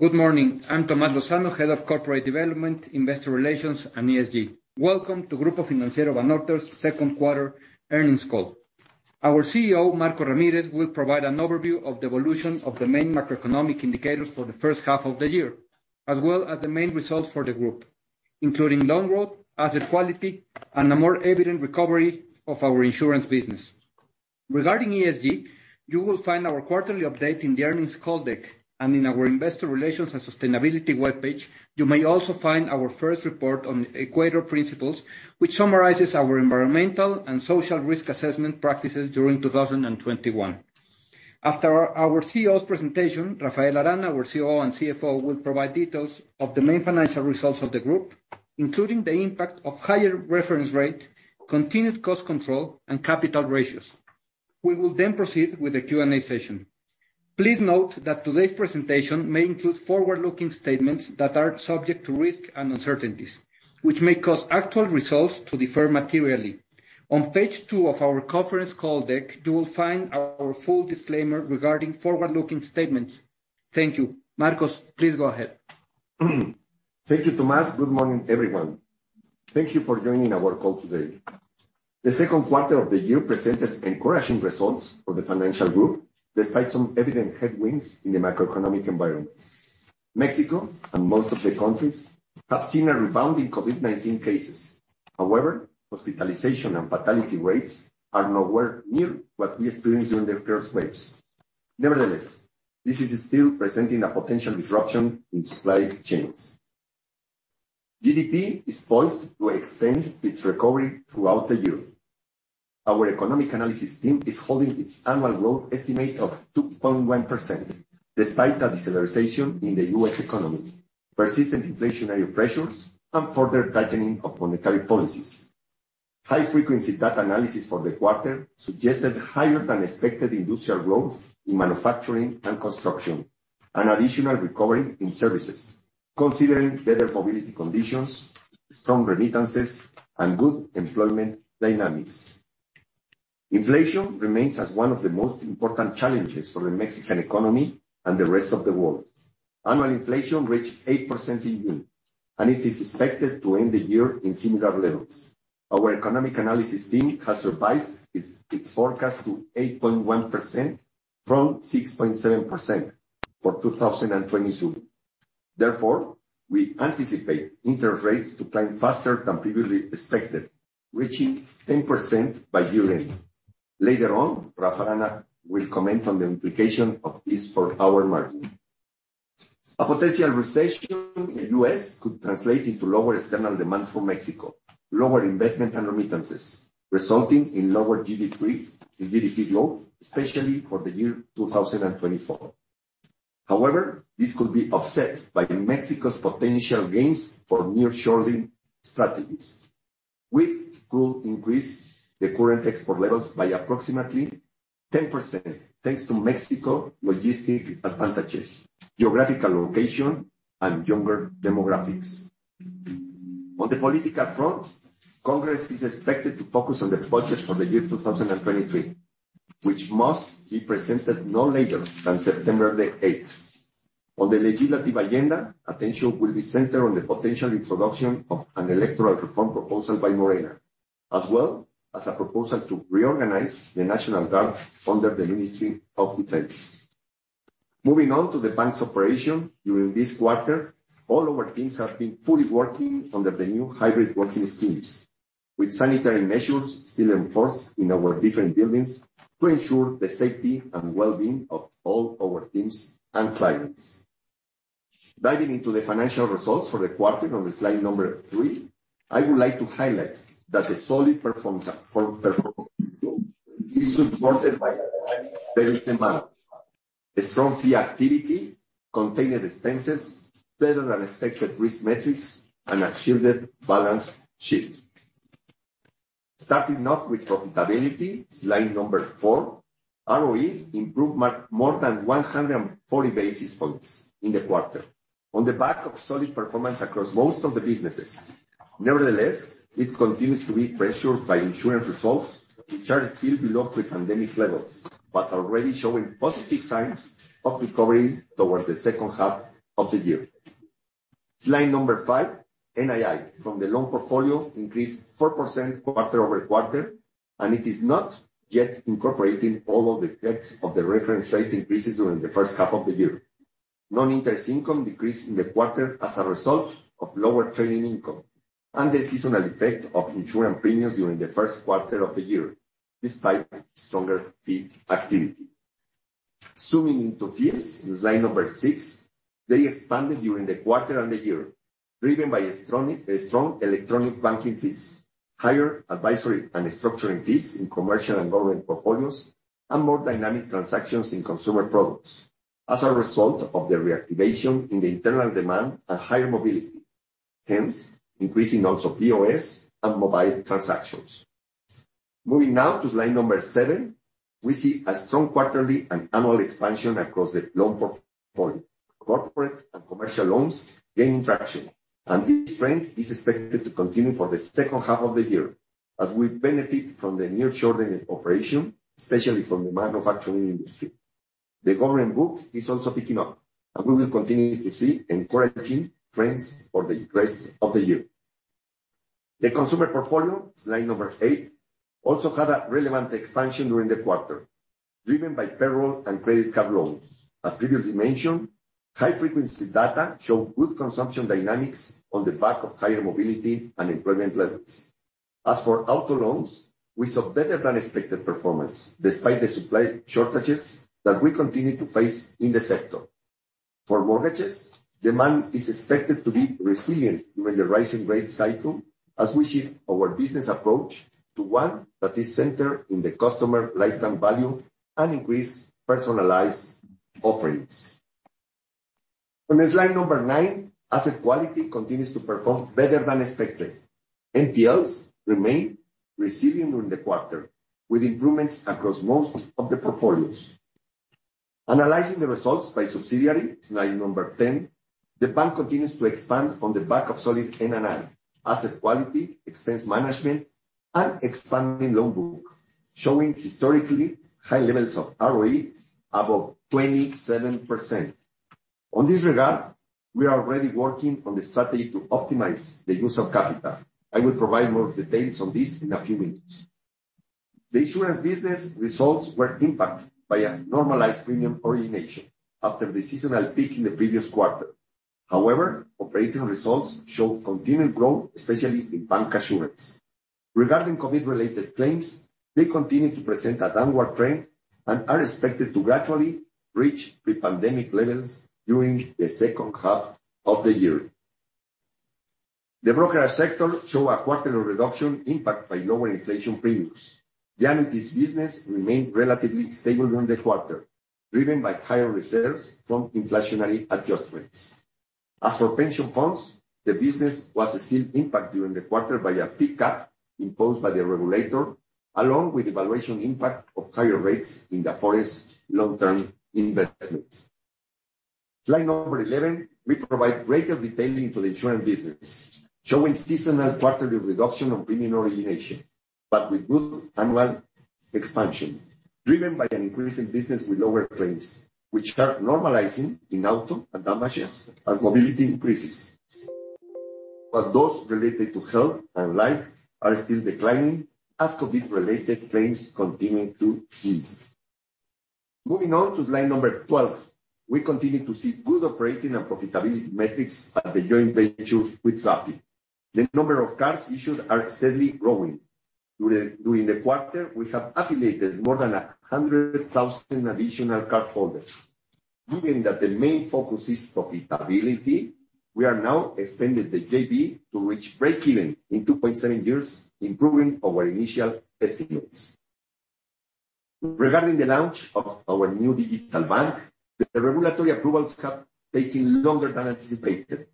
Good morning. I'm Tomás Lozano, Head of Corporate Development, Investor Relations, and ESG. Welcome to Grupo Financiero Banorte's second quarter earnings call. Our CEO, Marco Ramírez, will provide an overview of the evolution of the main macroeconomic indicators for the first half of the year, as well as the main results for the group, including loan growth, asset quality, and a more evident recovery of our insurance business. Regarding ESG, you will find our quarterly update in the earnings call deck and in our investor relations and sustainability webpage. You may also find our first report on Equator Principles, which summarizes our environmental and social risk assessment practices during 2021. After our CEO's presentation, Rafael Arana, our COO and CFO, will provide details of the main financial results of the group, including the impact of higher reference rate, continued cost control, and capital ratios. We will proceed with the Q&A session. Please note that today's presentation may include forward-looking statements that are subject to risks and uncertainties, which may cause actual results to differ materially. On page two of our conference call deck, you will find our full disclaimer regarding forward-looking statements. Thank you. Marcos, please go ahead. Thank you, Tomás. Good morning, everyone. Thank you for joining our call today. The second quarter of the year presented encouraging results for the financial group, despite some evident headwinds in the macroeconomic environment. Mexico and most of the countries have seen a rebound in COVID-19 cases. However, hospitalization and fatality rates are nowhere near what we experienced during the first waves. Nevertheless, this is still presenting a potential disruption in supply chains. GDP is poised to extend its recovery throughout the year. Our economic analysis team is holding its annual growth estimate of 2.1%, despite a deceleration in the U.S. economy, persistent inflationary pressures, and further tightening of monetary policies. High-frequency data analysis for the quarter suggested higher than expected industrial growth in manufacturing and construction, and additional recovery in services, considering better mobility conditions, strong remittances, and good employment dynamics. Inflation remains as one of the most important challenges for the Mexican economy and the rest of the world. Annual inflation reached 8% in June, and it is expected to end the year in similar levels. Our economic analysis team has revised its forecast to 8.1% from 6.7% for 2022. Therefore, we anticipate interest rates to climb faster than previously expected, reaching 10% by year-end. Later on, Rafael will comment on the implication of this for our margin. A potential recession in the U.S. could translate into lower external demand for Mexico, lower investment and remittances, resulting in lower GDP growth, especially for the year 2024. However, this could be offset by Mexico's potential gains for near-shoring strategies. We could increase the current export levels by approximately 10%, thanks to Mexico's logistical advantages, geographical location, and younger demographics. On the political front, Congress is expected to focus on the budget for the year 2023, which must be presented no later than September 8. On the legislative agenda, attention will be centered on the potential introduction of an electoral reform proposal by Morena, as well as a proposal to reorganize the National Guard under the Secretariat of National Defense. Moving on to the bank's operation. During this quarter, all our teams have been fully working under the new hybrid working schemes, with sanitary measures still enforced in our different buildings to ensure the safety and well-being of all our teams and clients. Diving into the financial results for the quarter on slide 3, I would like to highlight that the solid performance is supported by a strong fee activity, contained expenses, better than expected risk metrics, and a shielded balance sheet. Starting off with profitability, slide 4. ROE improved more than 140 basis points in the quarter on the back of solid performance across most of the businesses. Nevertheless, it continues to be pressured by insurance results, which are still below pre-pandemic levels, but already showing positive signs of recovering towards the second half of the year. Slide 5. NII from the loan portfolio increased 4% quarter-over-quarter, and it is not yet incorporating all of the effects of the reference rate increases during the first half of the year. Non-interest income decreased in the quarter as a result of lower trading income and the seasonal effect of insurance premiums during the first quarter of the year, despite stronger fee activity. Zooming into fees, slide number 6. They expanded during the quarter and the year, driven by strong electronic banking fees, higher advisory and structuring fees in commercial and government portfolios, and more dynamic transactions in consumer products as a result of the reactivation in the internal demand and higher mobility, hence increasing also POS and mobile transactions. Moving now to slide number 7, we see a strong quarterly and annual expansion across the loan portfolio. Corporate and commercial loans gaining traction, and this trend is expected to continue for the second half of the year as we benefit from the nearshoring operation, especially from the manufacturing industry. The government book is also picking up, and we will continue to see encouraging trends for the rest of the year. The consumer portfolio, slide number 8, also had a relevant expansion during the quarter, driven by payroll and credit card loans. As previously mentioned, high-frequency data show good consumption dynamics on the back of higher mobility and employment levels. As for auto loans, we saw better than expected performance despite the supply shortages that we continue to face in the sector. For mortgages, demand is expected to be resilient during the rising rate cycle as we shift our business approach to one that is centered in the customer lifetime value and increase personalized offerings. On the slide number 9, asset quality continues to perform better than expected. NPLs remain resilient during the quarter, with improvements across most of the portfolios. Analyzing the results by subsidiary, slide number 10, the bank continues to expand on the back of solid NII, asset quality, expense management, and expanding loan book, showing historically high levels of ROE above 27%. In this regard, we are already working on the strategy to optimize the use of capital. I will provide more details on this in a few minutes. The insurance business results were impacted by a normalized premium origination after the seasonal peak in the previous quarter. However, operating results show continued growth, especially in bancassurance. Regarding COVID-related claims, they continue to present a downward trend and are expected to gradually reach pre-pandemic levels during the second half of the year. The broker sector show a quarterly reduction impact by lower inflation premiums. The annuities business remained relatively stable during the quarter, driven by higher reserves from inflationary adjustments. As for pension funds, the business was still impacted during the quarter by a fee cap imposed by the regulator, along with the valuation impact of higher rates in the forest long-term investment. Slide 11, we provide greater detailing to the insurance business, showing seasonal quarterly reduction of premium origination, but with good annual expansion, driven by an increase in business with lower claims, which are normalizing in auto and damages as mobility increases. Those related to health and life are still declining as COVID-related claims continue to cease. Moving on to slide 12. We continue to see good operating and profitability metrics at the joint venture with Rappi. The number of cards issued are steadily growing. During the quarter, we have affiliated more than 100,000 additional cardholders. Given that the main focus is profitability, we are now extending the JV to reach break-even in 2.7 years, improving our initial estimates. Regarding the launch of our new digital bank, the regulatory approvals have taken longer than anticipated,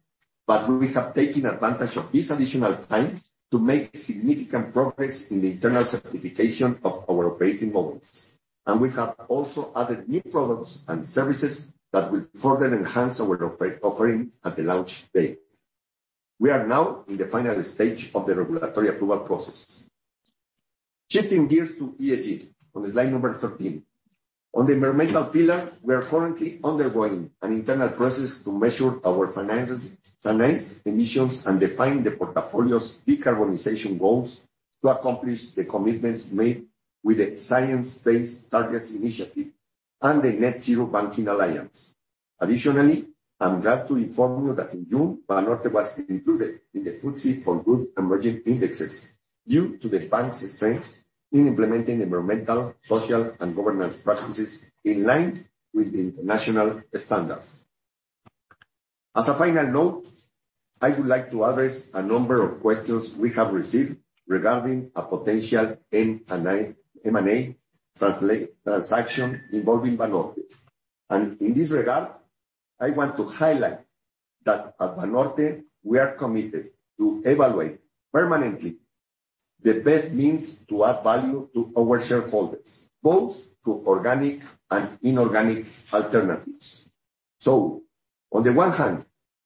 but we have taken advantage of this additional time to make significant progress in the internal certification of our operating models. We have also added new products and services that will further enhance our offering at the launch date. We are now in the final stage of the regulatory approval process. Shifting gears to ESG, on slide number 13. On the environmental pillar, we are currently undergoing an internal process to measure our financed emissions and define the portfolio's decarbonization goals to accomplish the commitments made with the Science Based Targets initiative and the Net-Zero Banking Alliance. Additionally, I'm glad to inform you that in June, Banorte was included in the FTSE4Good emerging indexes due to the bank's strengths in implementing environmental, social, and governance practices in line with the international standards. As a final note, I would like to address a number of questions we have received regarding a potential M&A transaction involving Banorte. In this regard, I want to highlight that at Banorte, we are committed to evaluate permanently the best means to add value to our shareholders, both through organic and inorganic alternatives. On the one hand,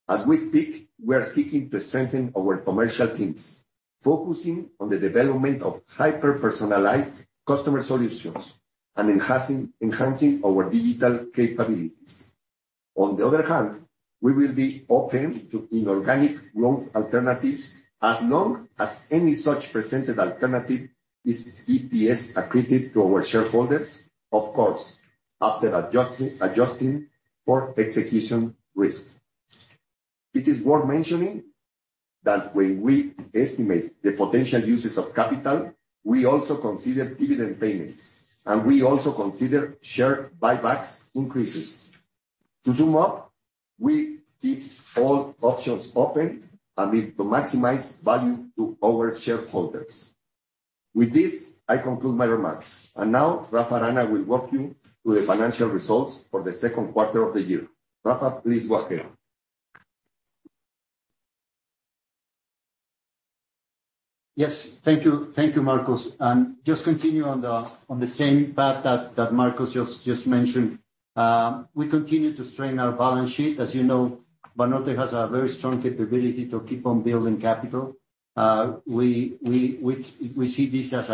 as we speak, we are seeking to strengthen our commercial teams, focusing on the development of hyper-personalized customer solutions and enhancing our digital capabilities. On the other hand, we will be open to inorganic growth alternatives as long as any such presented alternative is EPS accretive to our shareholders, of course, after adjusting for execution risk. It is worth mentioning that when we estimate the potential uses of capital, we also consider dividend payments, and we also consider share buybacks increases. To sum up, we keep all options open and need to maximize value to our shareholders. With this, I conclude my remarks. Rafael Arana will walk you through the financial results for the second quarter of the year. Rafael, please walk in. Yes. Thank you. Thank you, Marcos. Just continue on the same path that Marcos just mentioned. We continue to strengthen our balance sheet. As you know, Banorte has a very strong capability to keep on building capital. We see this as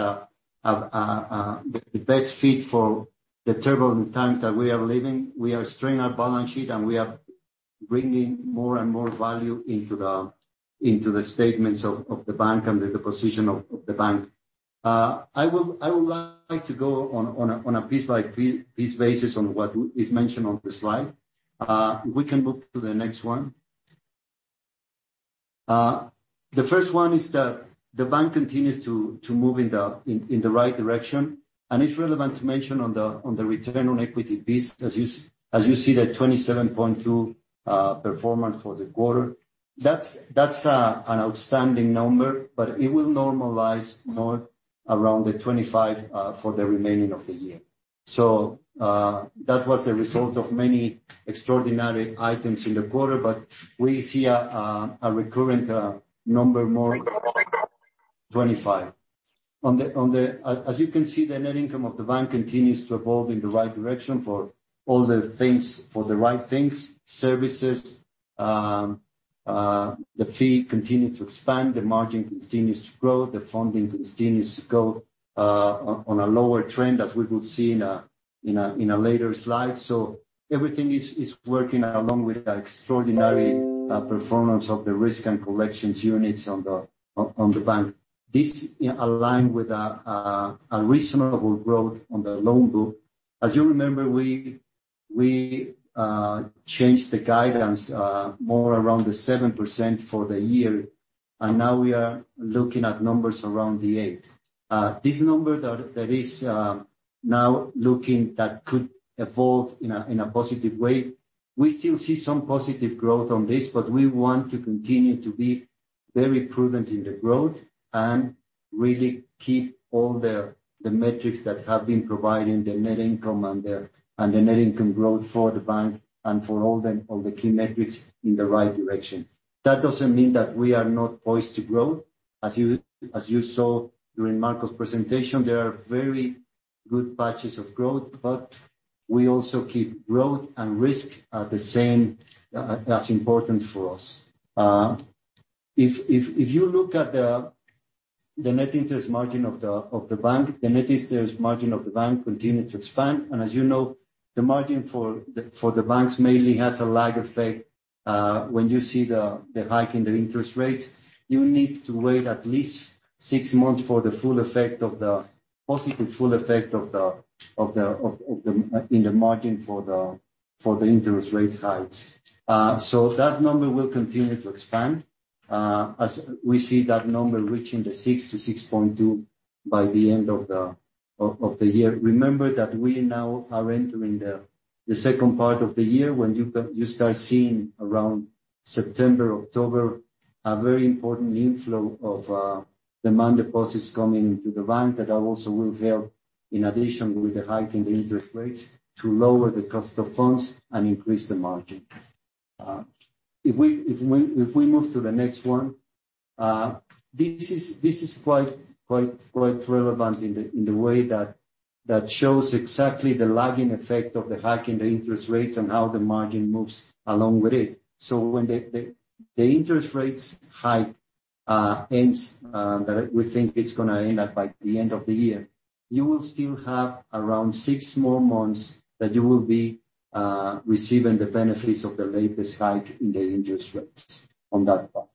the best fit for the turbulent times that we are living. We are strengthening our balance sheet, and we are bringing more and more value into the statements of the bank, and the position of the bank. I would like to go on a piece by piece basis on what is mentioned on the slide. We can move to the next one. The first one is that the bank continues to move in the right direction. It's relevant to mention on the return on equity piece, as you see the 27.2% performance for the quarter. That's an outstanding number, but it will normalize more around the 25% for the remaining of the year. That was a result of many extraordinary items in the quarter, but we see a recurrent number more 25%. As you can see, the net income of the bank continues to evolve in the right direction for the right things. Services, the fees continue to expand, the margin continues to grow, the funding continues to go on a lower trend, as we will see in a later slide. Everything is working along with the extraordinary performance of the risk and collections units on the bank. This aligns with a reasonable growth on the loan book. As you remember, we changed the guidance more around the 7% for the year, and now we are looking at numbers around the 8%. This number that is now looking that could evolve in a positive way. We still see some positive growth on this, but we want to continue to be very prudent in the growth and really keep all the metrics that have been providing the net income and the net income growth for the bank and for all the key metrics in the right direction. That doesn't mean that we are not poised to grow. As you saw during Marco's presentation, there are very good patches of growth, but we also keep growth and risk at the same. That's important for us. If you look at the net interest margin of the bank, it continues to expand. As you know, the margin for the banks mainly has a lag effect. When you see the hike in the interest rates, you need to wait at least 6 months for the positive full effect of the in the margin for the interest rate hikes. That number will continue to expand, as we see that number reaching 6%-6.2% by the end of the year. Remember that we now are entering the second part of the year when you start seeing around September, October, a very important inflow of demand deposits coming into the bank. That also will help, in addition with the hike in interest rates, to lower the cost of funds and increase the margin. If we move to the next one, this is quite relevant in the way that shows exactly the lagging effect of the hike in the interest rates and how the margin moves along with it. When the interest rates hike ends that we think it's gonna end by the end of the year, you will still have around 6 more months that you will be receiving the benefits of the latest hike in the interest rates on that part.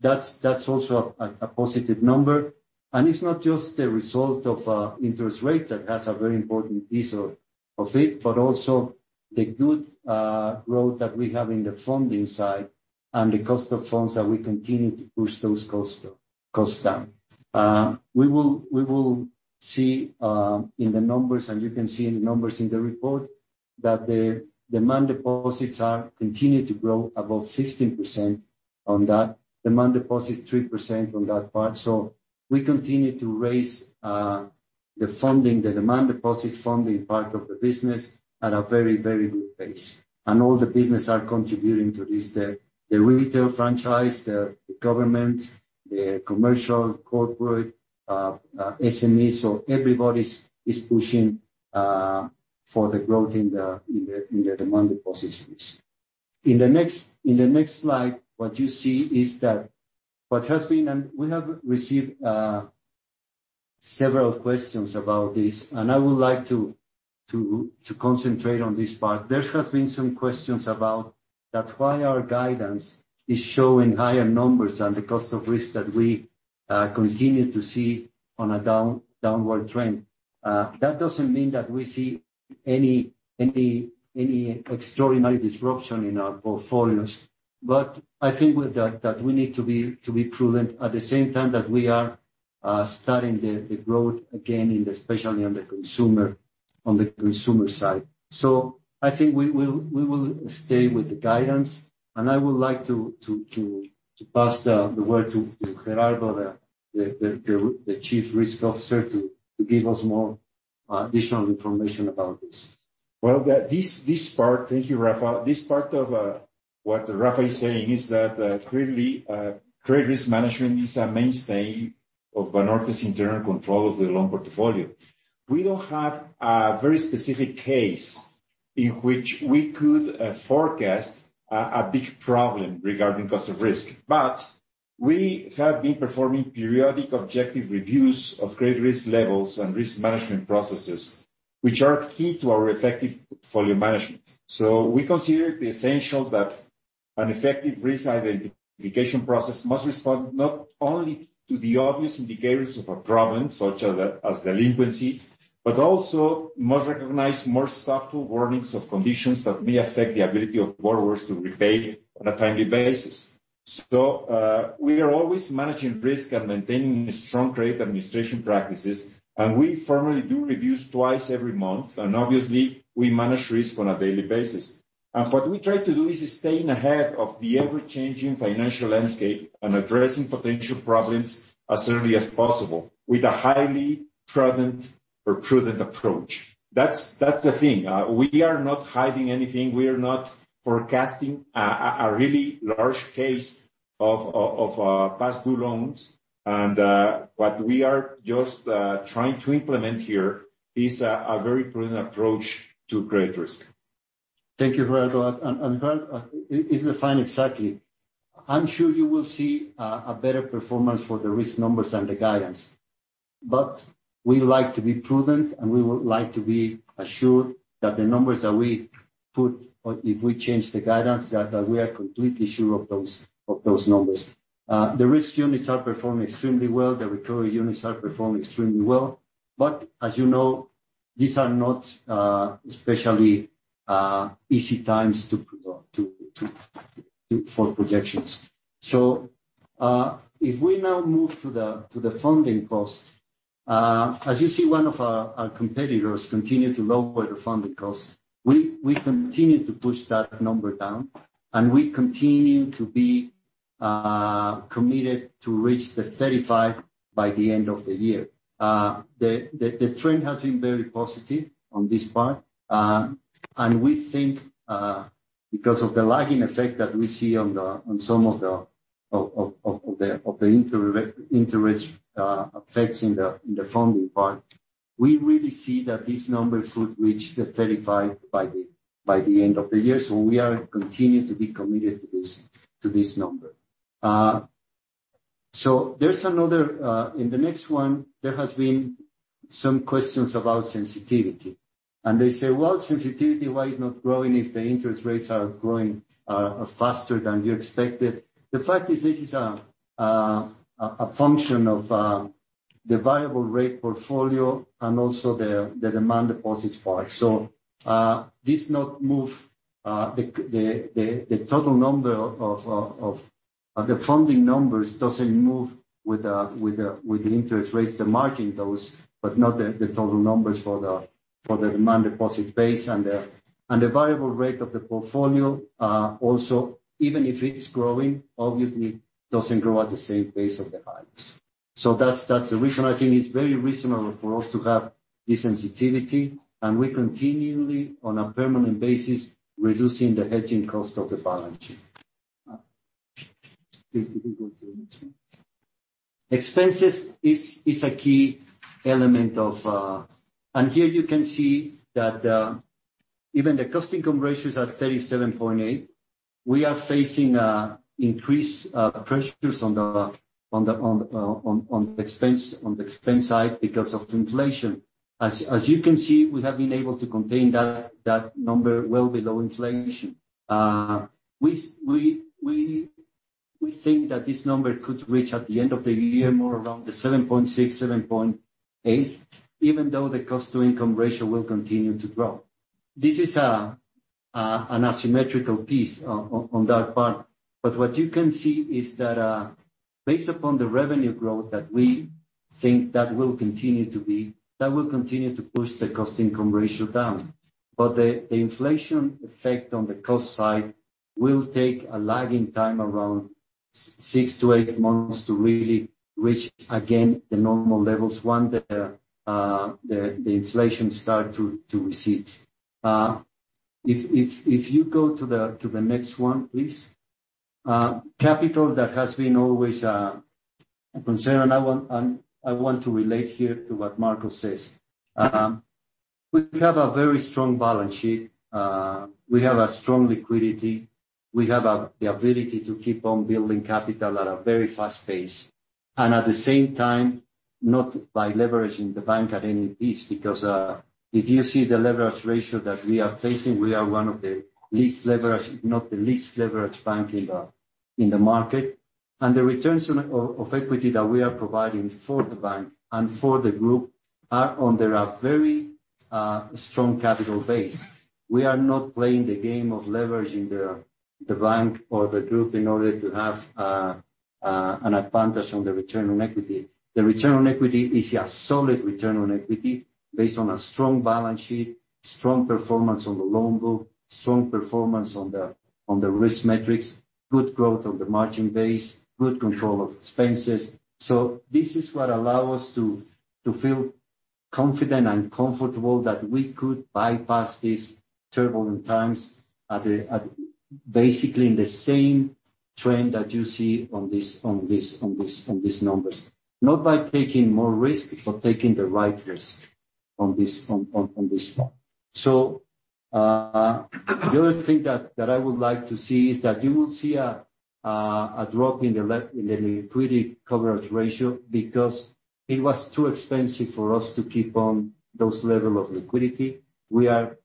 That's also a positive number. It's not just the result of interest rate that has a very important piece of it, but also the good growth that we have in the funding side and the cost of funds that we continue to push those costs down. We will see in the numbers, and you can see in the numbers in the report, that the demand deposits are continuing to grow above 15% on that. Demand deposit, 3% on that part. We continue to raise the funding, the demand deposit funding part of the business at a very good pace. All the business are contributing to this. The retail franchise, the government, the commercial, corporate, SMEs. Everybody is pushing for the growth in the demand deposits. In the next slide, what you see is that what has been. We have received several questions about this, and I would like to concentrate on this part. There has been some questions about that, why our guidance is showing higher numbers and the cost of risk that we continue to see on a downward trend. That doesn't mean that we see any extraordinary disruption in our portfolios. I think with that we need to be prudent at the same time that we are starting the growth again in the especially on the consumer side. I think we will stay with the guidance, and I would like to pass the word to Gerardo, the Chief Risk Officer, to give us more additional information about this. Thank you, Rafael. This part of what Rafael is saying is that clearly credit risk management is a mainstay of Banorte's internal control of the loan portfolio. We don't have a very specific case in which we could forecast a big problem regarding cost of risk. We have been performing periodic objective reviews of credit risk levels and risk management processes, which are key to our effective portfolio management. We consider it essential that an effective risk identification process must respond not only to the obvious indicators of a problem, such as delinquency, but also must recognize more subtle warnings of conditions that may affect the ability of borrowers to repay on a timely basis. We are always managing risk and maintaining strong credit administration practices, and we formally do reviews twice every month. Obviously, we manage risk on a daily basis. What we try to do is staying ahead of the ever-changing financial landscape and addressing potential problems as early as possible with a highly prudent approach. That's the thing. We are not hiding anything. We are not forecasting a really large case of past due loans. What we are trying to implement here is a very prudent approach to credit risk. Thank you, Gerardo. It's defined exactly. I'm sure you will see a better performance for the risk numbers and the guidance. We like to be prudent, and we would like to be assured that the numbers that we put, or if we change the guidance, that we are completely sure of those numbers. The risk units are performing extremely well. The recovery units are performing extremely well. As you know, these are not especially easy times for projections. If we now move to the funding cost, as you see, one of our competitors continue to lower the funding cost. We continue to push that number down, and we continue to be committed to reach 35 by the end of the year. The trend has been very positive on this part. We think, because of the lagging effect that we see on some of the interest effects in the funding part, we really see that this number should reach 35% by the end of the year. We continue to be committed to this number. There's another. In the next one, there has been some questions about sensitivity. They say, "Well, sensitivity, why is it not growing if the interest rates are growing faster than you expected?" The fact is this is a function of the variable rate portfolio and also the demand deposits part. This does not move the total number of the funding numbers with the interest rates, the margin does, but not the total numbers for the demand deposit base. The variable rate of the portfolio also, even if it is growing, obviously doesn't grow at the same pace of the hikes. That's the reason I think it's very reasonable for us to have the sensitivity. We continually, on a permanent basis, reducing the hedging cost of the balance sheet. If we go to the next one. Expenses is a key element of. Here you can see that even the cost-to-income ratio is at 37.8%. We are facing increased pressures on the expense side because of inflation. As you can see, we have been able to contain that number well below inflation. We think that this number could reach, at the end of the year, more around 7.6%-7.8%, even though the cost-to-income ratio will continue to grow. This is an asymmetrical piece on that part. What you can see is that, based upon the revenue growth that we think will continue to be, that will continue to push the cost-to-income ratio down. The inflation effect on the cost side will take a lagging time, around 6-8 months, to really reach again the normal levels once the inflation starts to recede. If you go to the next one, please. Capital that has been always a concern, and I want to relate here to what Marco says. We have a very strong balance sheet. We have a strong liquidity. We have the ability to keep on building capital at a very fast pace, and at the same time, not by leveraging the bank at any price. Because if you see the leverage ratio that we are facing, we are one of the least leveraged, if not the least leveraged bank in the market. The returns on equity that we are providing for the bank and for the group are on a very strong capital base. We are not playing the game of leveraging the bank or the group in order to have an advantage on the return on equity. The return on equity is a solid return on equity based on a strong balance sheet. Strong performance on the loan book, strong performance on the risk metrics, good growth on the margin base, good control of expenses. So this is what allow us to feel confident and comfortable that we could bypass these turbulent times as basically the same trend that you see on these numbers. Not by taking more risk, but taking the right risk on this one. The other thing that I would like to see is that you will see a drop in the Liquidity Coverage Ratio because it was too expensive for us to keep on those level of liquidity. We are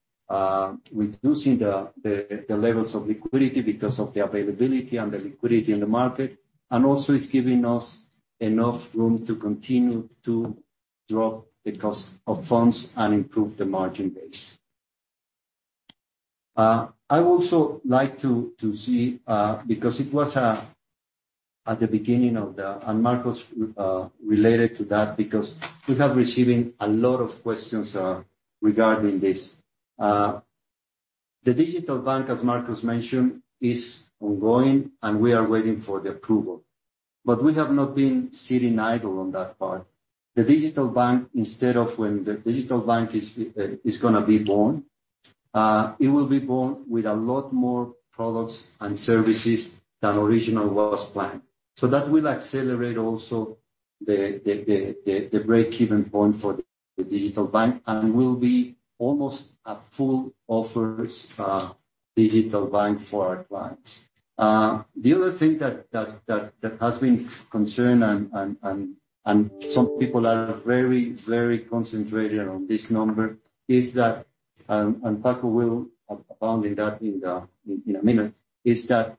reducing the levels of liquidity because of the availability and the liquidity in the market, and also it's giving us enough room to continue to drop the cost of funds and improve the margin base. I would also like to see because it was at the beginning of the. Marcos, related to that because we have receiving a lot of questions regarding this. The digital bank, as Marcos mentioned, is ongoing, and we are waiting for the approval. But we have not been sitting idle on that part. The digital bank is gonna be born with a lot more products and services than originally was planned. That will accelerate also the break-even point for the digital bank and will be almost a full offer digital bank for our clients. The other thing that has been concern and some people are very concentrated on this number is that, and Paco will elaborate on that in a minute, is that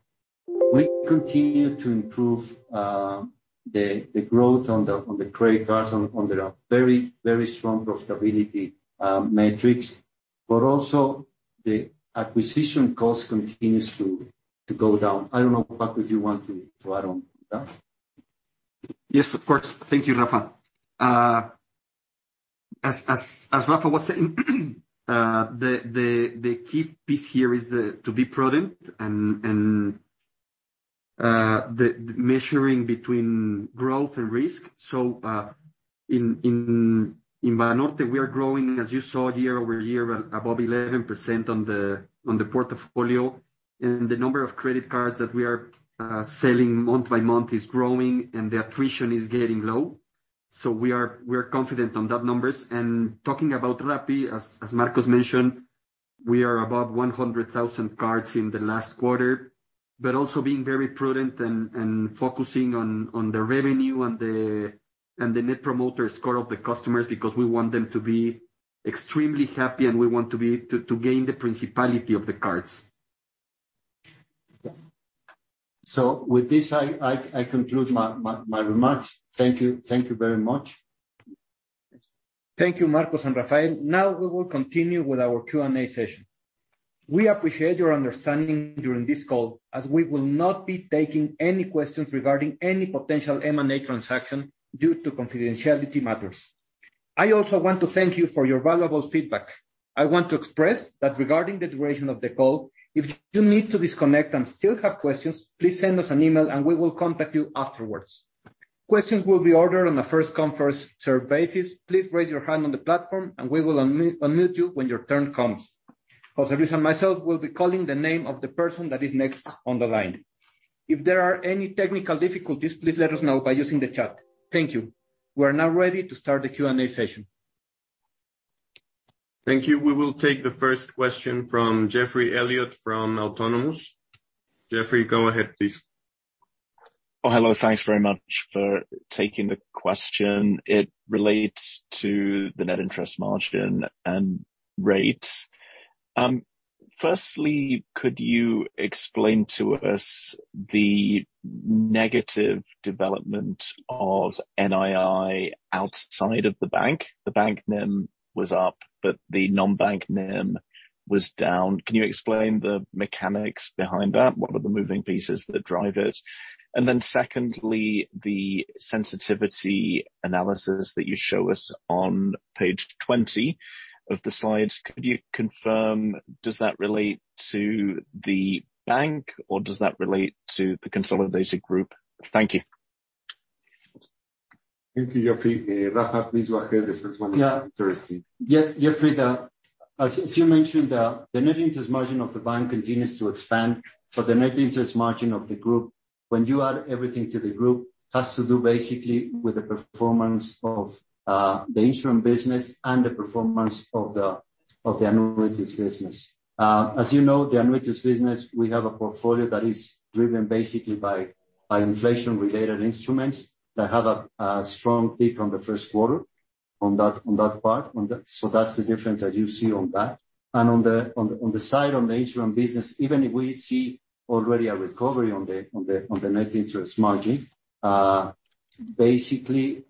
we continue to improve the growth on the credit cards on the very strong profitability metrics. Also the acquisition cost continues to go down. I don't know, Paco, if you want to add on that. Yes, of course. Thank you, Rafa. As Rafa was saying, the key piece here is to be prudent and the measuring between growth and risk. In Banorte, we are growing, as you saw year-over-year, above 11% on the portfolio. The number of credit cards that we are selling month by month is growing, and the attrition is getting low. We are confident on that numbers. Talking about Rappi, as Marcos mentioned, we are above 100,000 cards in the last quarter. also being very prudent and focusing on the revenue and the Net Promoter Score of the customers, because we want them to be extremely happy, and we want to gain the principality of the cards. With this, I conclude my remarks. Thank you. Thank you very much. Thank you, Marcos and Rafael. Now we will continue with our Q&A session. We appreciate your understanding during this call, as we will not be taking any questions regarding any potential M&A transaction due to confidentiality matters. I also want to thank you for your valuable feedback. I want to express that regarding the duration of the call, if you need to disconnect and still have questions, please send us an email and we will contact you afterwards. Questions will be ordered on a first-come, first-served basis. Please raise your hand on the platform, and we will unmute you when your turn comes. José Luis and myself will be calling the name of the person that is next on the line. If there are any technical difficulties, please let us know by using the chat. Thank you. We're now ready to start the Q&A session. Thank you. We will take the first question from Geoffrey Elliott from Autonomous. Geoffrey, go ahead, please. Hello. Thanks very much for taking the question. It relates to the net interest margin and rates. Firstly, could you explain to us the negative development of NII outside of the bank? The bank NIM was up, but the non-bank NIM was down. Can you explain the mechanics behind that? What are the moving pieces that drive it? Secondly, the sensitivity analysis that you show us on page 20 of the slides, could you confirm, does that relate to the bank or does that relate to the consolidated group? Thank you. Thank you, Jeffrey. Rafa, please go ahead. The first one is interesting. Yeah. Jeffrey, as you mentioned, the net interest margin of the bank continues to expand. The net interest margin of the group, when you add everything to the group, has to do basically with the performance of the insurance business and the performance of the annuities business. As you know, the annuities business, we have a portfolio that is driven basically by inflation-related instruments that have a strong peak on the first quarter on that, on that part, on that. That's the difference that you see on that. On the side on the insurance business, even if we see already a recovery on the net interest margin, basically,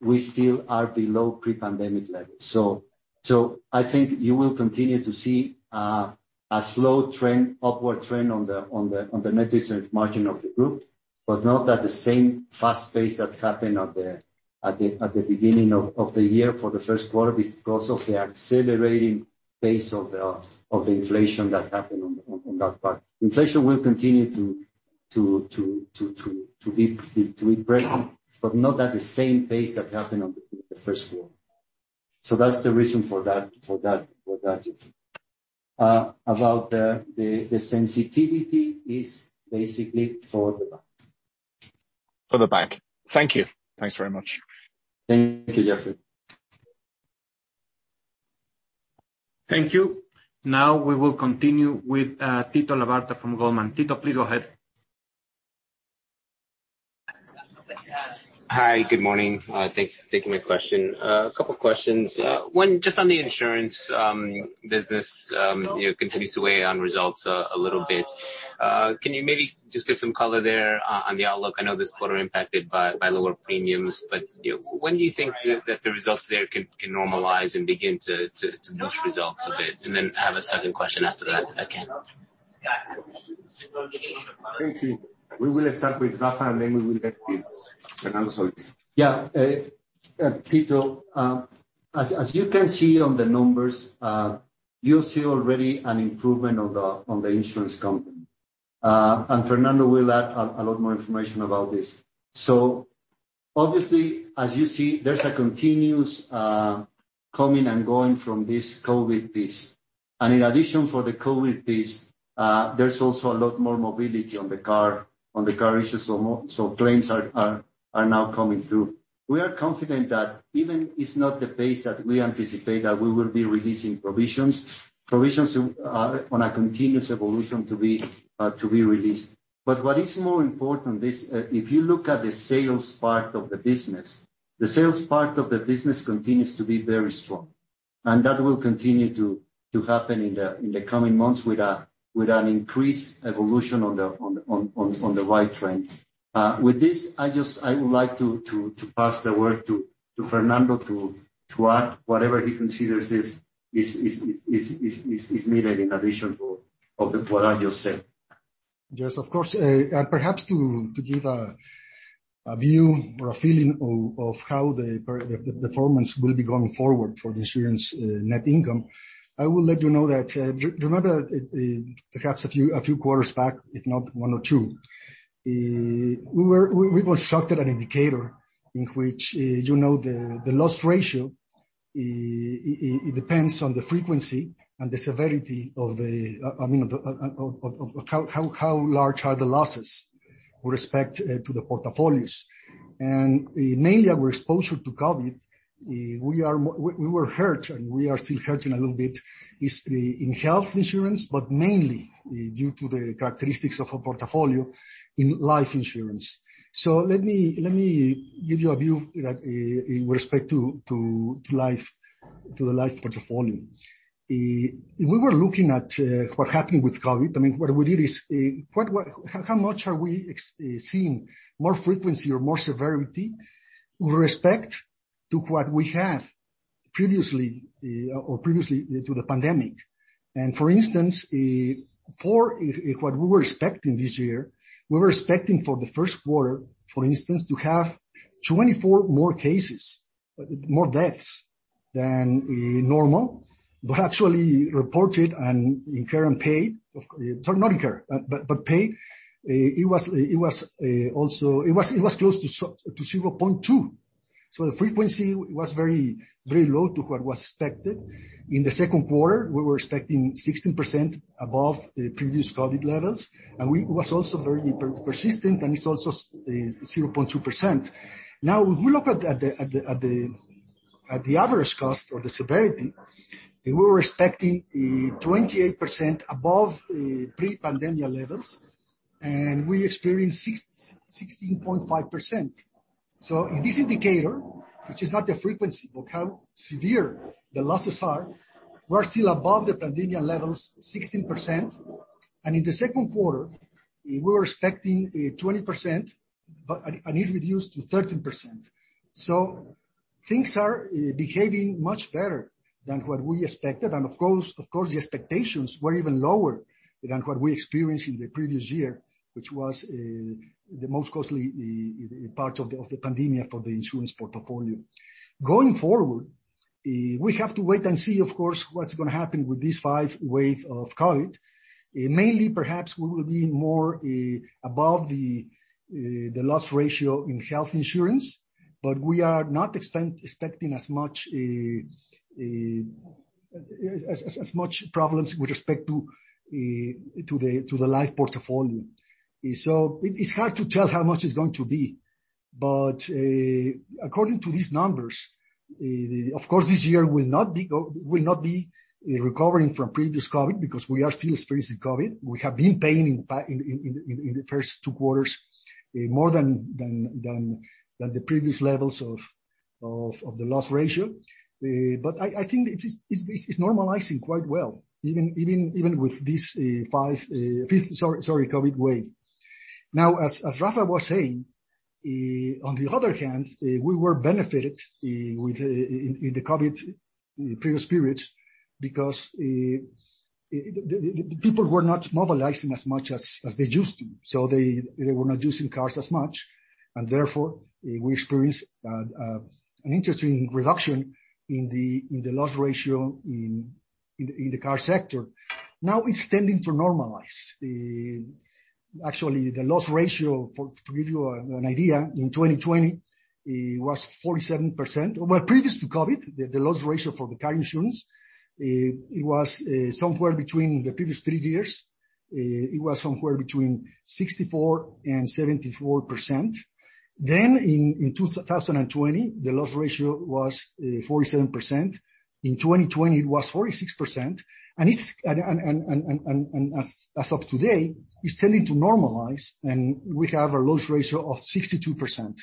we still are below pre-pandemic levels. I think you will continue to see a slow trend, upward trend on the net interest margin of the group, but not at the same fast pace that happened on the insurance business. At the beginning of the year for the first quarter because of the accelerating pace of the inflation that happened on that part. Inflation will continue to be pressing, but not at the same pace that happened in the first quarter. That's the reason for that. About the sensitivity is basically for the bank. For the bank. Thank you. Thanks very much. Thank you, Geoffrey. Thank you. Now we will continue with Tito Labarta from Goldman. Tito, please go ahead. Hi, good morning. Thanks for taking my question. A couple questions. One, just on the insurance business, you know, continues to weigh on results a little bit. Can you maybe just give some color there on the outlook? I know this quarter impacted by lower premiums, but, you know, when do you think that the results there can normalize and begin to push results a bit? Then I have a second question after that, if I can. Thank you. We will start with Rafa, and then we will get with Fernando Solís. Yeah. Tito, as you can see on the numbers, you see already an improvement on the insurance company. Fernando will add a lot more information about this. Obviously, as you see, there's a continuous coming and going from this COVID piece. In addition for the COVID piece, there's also a lot more mobility on the car issues. Claims are now coming through. We are confident that even if it's not the pace that we anticipate, that we will be releasing provisions. Provisions on a continuous evolution to be released. What is more important is, if you look at the sales part of the business, the sales part of the business continues to be very strong, and that will continue to happen in the coming months with an increased evolution on the right trend. With this, I would like to pass the word to Fernando to add whatever he considers is needed in addition to what I just said. Yes, of course. Perhaps to give a view or a feeling of how the performance will be going forward for the insurance net income, I will let you know that remember, perhaps a few quarters back, if not one or two, we constructed an indicator in which, you know, the loss ratio, it depends on the frequency and the severity of the, I mean, of how large are the losses with respect to the portfolios. Mainly our exposure to COVID, we were hurt, and we are still hurting a little bit, is in health insurance, but mainly due to the characteristics of our portfolio in life insurance. Let me give you a view with respect to the life portfolio. If we were looking at what happened with COVID, I mean, what we did is how much are we seeing more frequency or more severity with respect to what we have previously or previously to the pandemic. For instance, what we were expecting this year, we were expecting for the first quarter, for instance, to have 24 more cases, more deaths than normal. Actually reported and paid, it was close to 0.2. The frequency was very low to what was expected. In the second quarter, we were expecting 16% above previous COVID levels, and we was also very persistent, and it's also 0.2%. Now, if we look at the average cost or the severity, we were expecting 28% above pre-pandemic levels, and we experienced 16.5%. So in this indicator, which is not the frequency, but how severe the losses are, we're still above the pandemic levels 16%. In the second quarter, we were expecting 20%, but and it reduced to 13%. So things are behaving much better than what we expected. Of course, the expectations were even lower than what we experienced in the previous year, which was the most costly part of the pandemic for the insurance portfolio. Going forward, we have to wait and see, of course, what's gonna happen with this fifth wave of COVID. Mainly, perhaps we will be more above the loss ratio in health insurance, but we are not expecting as much problems with respect to the life portfolio. So it's hard to tell how much it's going to be. According to these numbers, of course, this year will not be recovering from previous COVID because we are still experiencing COVID. We have been paying in the first two quarters more than the previous levels of the loss ratio. But I think it is normalizing quite well, even with this fifth COVID wave. Now, as Rafa was saying, on the other hand, we were benefited within the COVID previous periods because the people were not mobilizing as much as they used to, so they were not using cars as much and therefore we experienced an interesting reduction in the loss ratio in the car sector. Now it's tending to normalize. Actually, the loss ratio, to give you an idea, in 2020 it was 47%. Well, previous to COVID, the loss ratio for the car insurance was somewhere between the previous three years, it was somewhere between 64% and 74%. In 2020, the loss ratio was 47%. In 2020 it was 46%. And as of today, it's tending to normalize, and we have a loss ratio of 62%.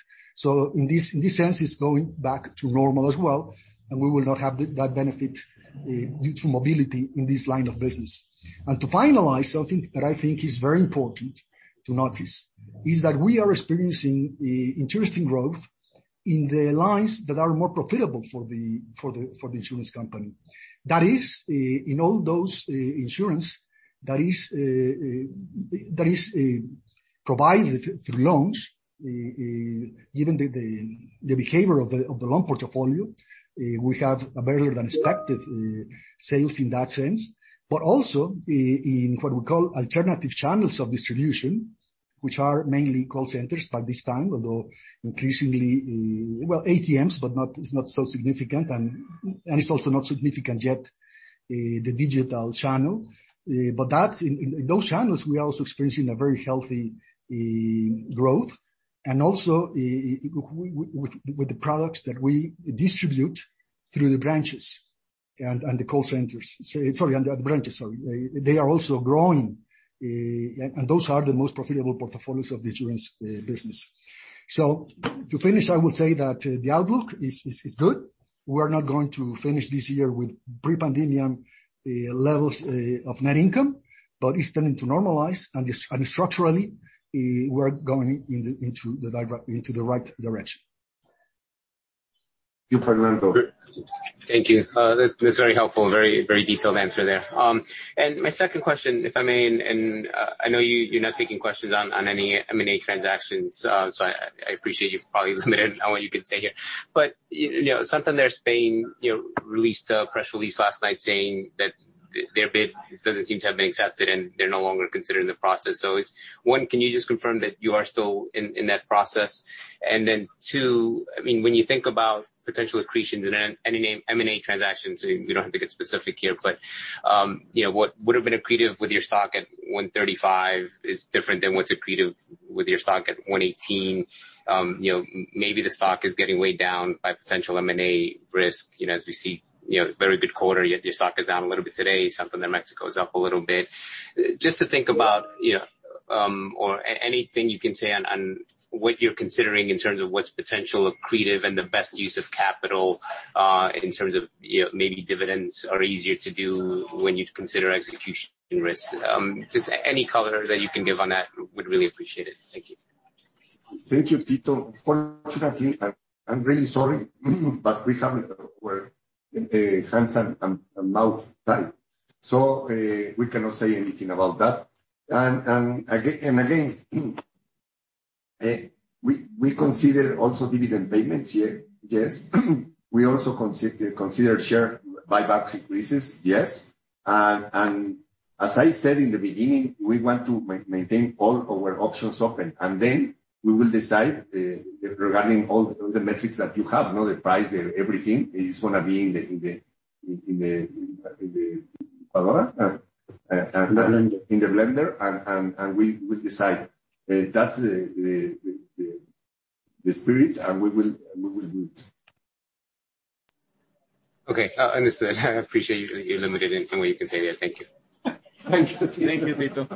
In this sense, it's going back to normal as well, and we will not have that benefit due to mobility in this line of business. To finalize something that I think is very important to notice is that we are experiencing interesting growth in the lines that are more profitable for the insurance company. That is, in all those insurance that is provided through loans. Given the behavior of the loan portfolio, we have a better than expected sales in that sense. Also, in what we call alternative channels of distribution, which are mainly call centers at this time, although increasingly, well, ATMs, but not, it's not so significant and it's also not significant yet, the digital channel. But that's in those channels we are also experiencing a very healthy growth. Also, with the products that we distribute through the branches and the call centers. Sorry, and the branches. They are also growing, and those are the most profitable portfolios of the insurance business. To finish, I would say that the outlook is good. We're not going to finish this year with pre-pandemic levels of net income, but it's tending to normalize and structurally we're going into the right direction. Thank you, Fernando Solís Soberón. Thank you. That's very helpful. Very detailed answer there. My second question, if I may, and I know you're not taking questions on any M&A transactions, so I appreciate you're probably limited on what you can say here. You know, Santander Spain, you know, released a press release last night saying that their bid doesn't seem to have been accepted and they're no longer considering the process. One, can you just confirm that you are still in that process? And then two, I mean, when you think about potential accretions in any M&A transactions, and you don't have to get specific here, but you know, what would have been accretive with your stock at 135 is different than what's accretive with your stock at 118. You know, maybe the stock is getting weighed down by potential M&A risk, you know, as we see, you know, very good quarter, yet your stock is down a little bit today. Something that Mexico is up a little bit. Just to think about, you know, or anything you can say on what you're considering in terms of what's potential accretive and the best use of capital, in terms of, you know, maybe dividends are easier to do when you consider execution risks. Just any color that you can give on that, would really appreciate it. Thank you. Thank you, Tito. Unfortunately, I'm really sorry, but we're hands and mouth tied, so we cannot say anything about that. Again, we consider also dividend payments, yes. We also consider share buybacks increases, yeah. As I said in the beginning, we want to maintain all our options open, and then we will decide regarding all the metrics that you have, you know, the price, everything is gonna be in the. Blender. In the blender and we decide. That's the spirit and we will do it. Okay, understood. I appreciate you limiting anything what you can say there. Thank you. Thank you. Thank you, Tito.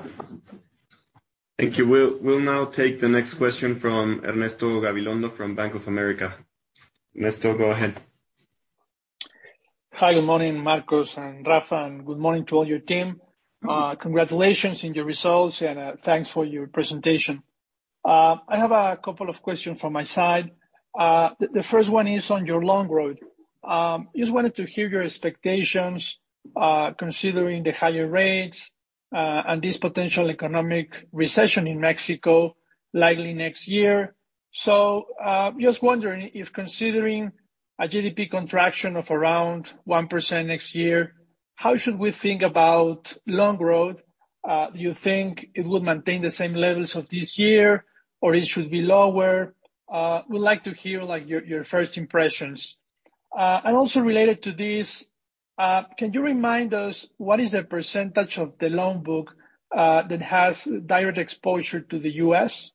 Thank you. We'll now take the next question from Ernesto Gabilondo from Bank of America. Ernesto, go ahead. Hi, good morning, Marcos and Rafa, and good morning to all your team. Congratulations on your results and thanks for your presentation. I have a couple of questions from my side. The first one is on your loan growth. Just wanted to hear your expectations, considering the higher rates and this potential economic recession in Mexico likely next year. Just wondering if considering a GDP contraction of around 1% next year, how should we think about loan growth? Do you think it will maintain the same levels of this year or it should be lower? Would like to hear, like, your first impressions. And also related to this, can you remind us what is the percentage of the loan book that has direct exposure to the US?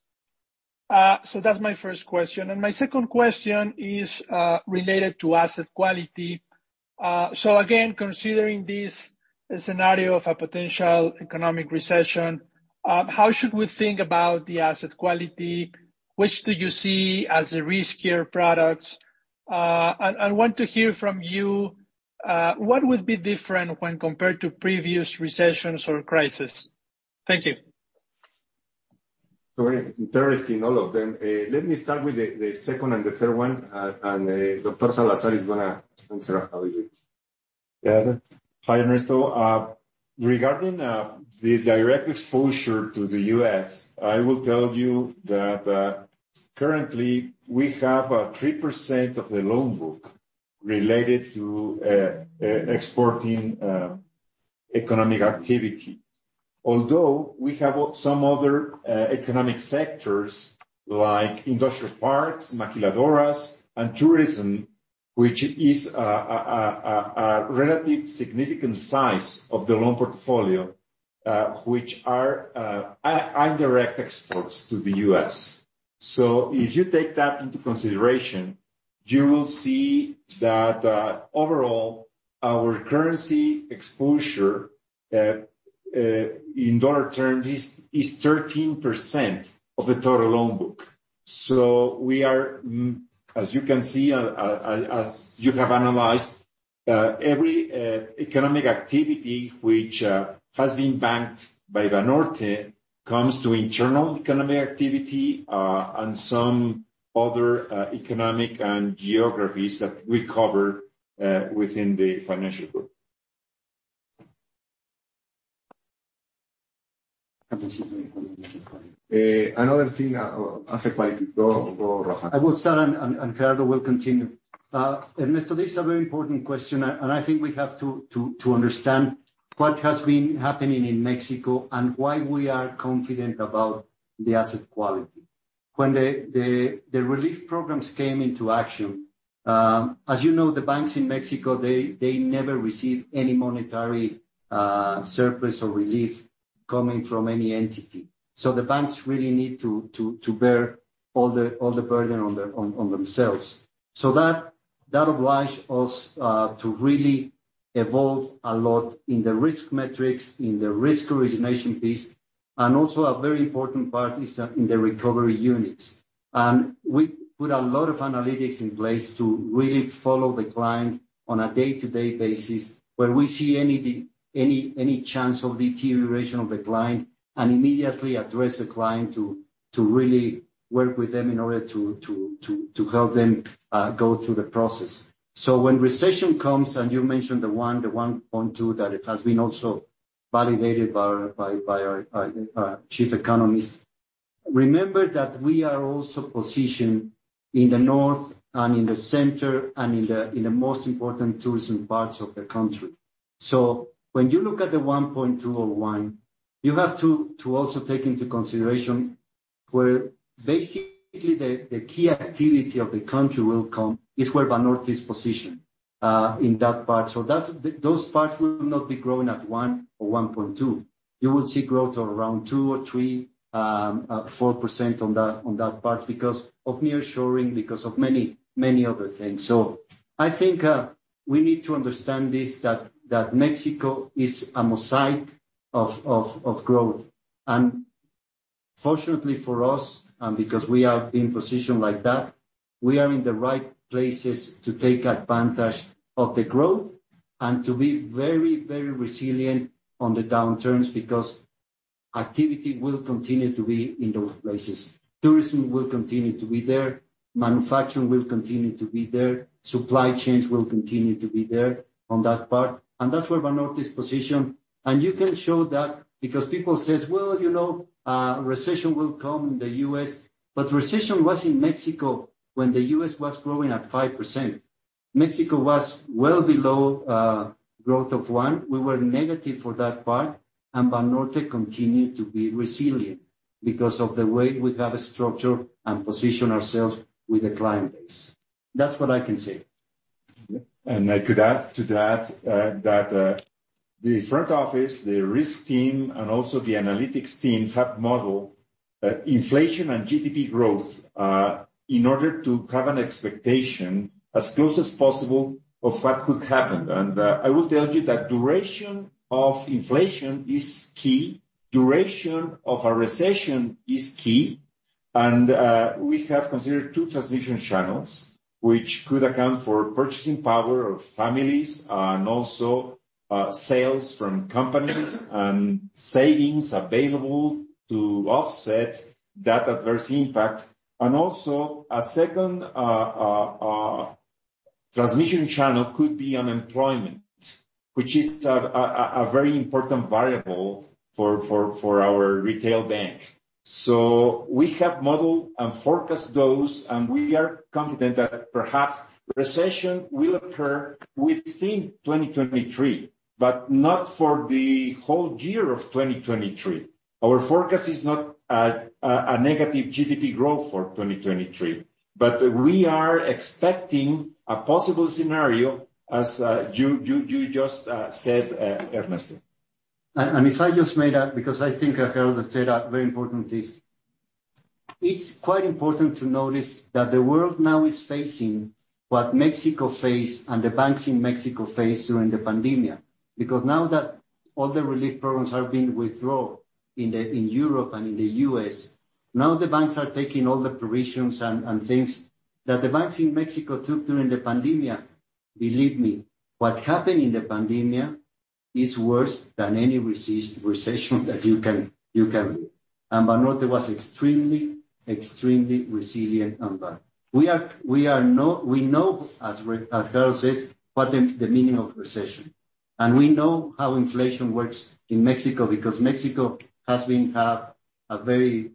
That's my first question. My second question is related to asset quality. So again, considering this scenario of a potential economic recession, how should we think about the asset quality? Which do you see as a riskier products? I want to hear from you, what would be different when compared to previous recessions or crises? Thank you. Interesting, all of them. Let me start with the second and the third one, and then Dr. Salazar is gonna answer how it is. Yeah. Hi Ernesto. Regarding the direct exposure to the U.S., I will tell you that currently we have 3% of the loan book related to exporting economic activity. Although we have some other economic sectors like industrial parks, maquiladoras, and tourism, which is a relative significant size of the loan portfolio, which are direct exports to the U.S. If you take that into consideration, you will see that overall our currency exposure in dollar terms is 13% of the total loan book. As you can see, as you have analyzed, every economic activity which has been banked by Banorte comes from internal economic activity, and some other economies and geographies that we cover within the financial group. Another thing, as a courtesy. Go, Rafael. I will start and Gerardo will continue. Ernesto, this is a very important question, and I think we have to understand what has been happening in Mexico and why we are confident about the asset quality. When the relief programs came into action, as you know, the banks in Mexico, they never received any monetary surplus or relief coming from any entity. That obliged us to really evolve a lot in the risk metrics, in the risk origination piece, and also a very important part is in the recovery units. We put a lot of analytics in place to really follow the client on a day-to-day basis, where we see any chance of deterioration of the client, and immediately address the client to really work with them in order to help them go through the process. When recession comes, and you mentioned the 1.2%, that it has been also validated by our chief economist. Remember that we are also positioned in the north and in the center and in the most important tourism parts of the country. When you look at the 1.2% or 1%, you have to also take into consideration where basically the key activity of the country will come is where Banorte is positioned in that part. That's. Those parts will not be growing at 1 or 1.2. You will see growth of around 2 or 3, 4% on that part because of nearshoring, because of many, many other things. I think we need to understand this, that Mexico is a mosaic of growth. Fortunately for us, because we have been positioned like that, we are in the right places to take advantage of the growth and to be very, very resilient on the downturns, because activity will continue to be in those places. Tourism will continue to be there, manufacturing will continue to be there, supply chains will continue to be there on that part, and that's where Banorte is positioned. You can show that because people says, "Well, you know, recession will come in the U.S." Recession was in Mexico when the U.S. was growing at 5%. Mexico was well below growth of 1%. We were negative for that part, and Banorte continued to be resilient because of the way we have structured and positioned ourselves with the client base. That's what I can say. I could add to that, the front office, the risk team, and also the analytics team have modeled inflation and GDP growth in order to have an expectation as close as possible of what could happen. I will tell you that duration of inflation is key, duration of a recession is key, and we have considered two transmission channels, which could account for purchasing power of families, and also sales from companies and savings available to offset that adverse impact. A second transmission channel could be unemployment, which is a very important variable for our retail bank. We have modeled and forecast those, and we are confident that perhaps recession will occur within 2023, but not for the whole year of 2023. Our forecast is not a negative GDP growth for 2023, but we are expecting a possible scenario, as you just said, Ernesto. If I just may add, because I think Gerardo said a very important thing. It's quite important to notice that the world now is facing what Mexico faced and the banks in Mexico faced during the pandemic. Because now that all the relief programs are being withdrawn in the in Europe and in the US, now the banks are taking all the provisions and things that the banks in Mexico took during the pandemic. Believe me, what happened in the pandemic. It's worse than any recession that you can read. Banorte was extremely resilient on that. We know, as Gerardo says, what the meaning of recession, and we know how inflation works in Mexico, because Mexico has had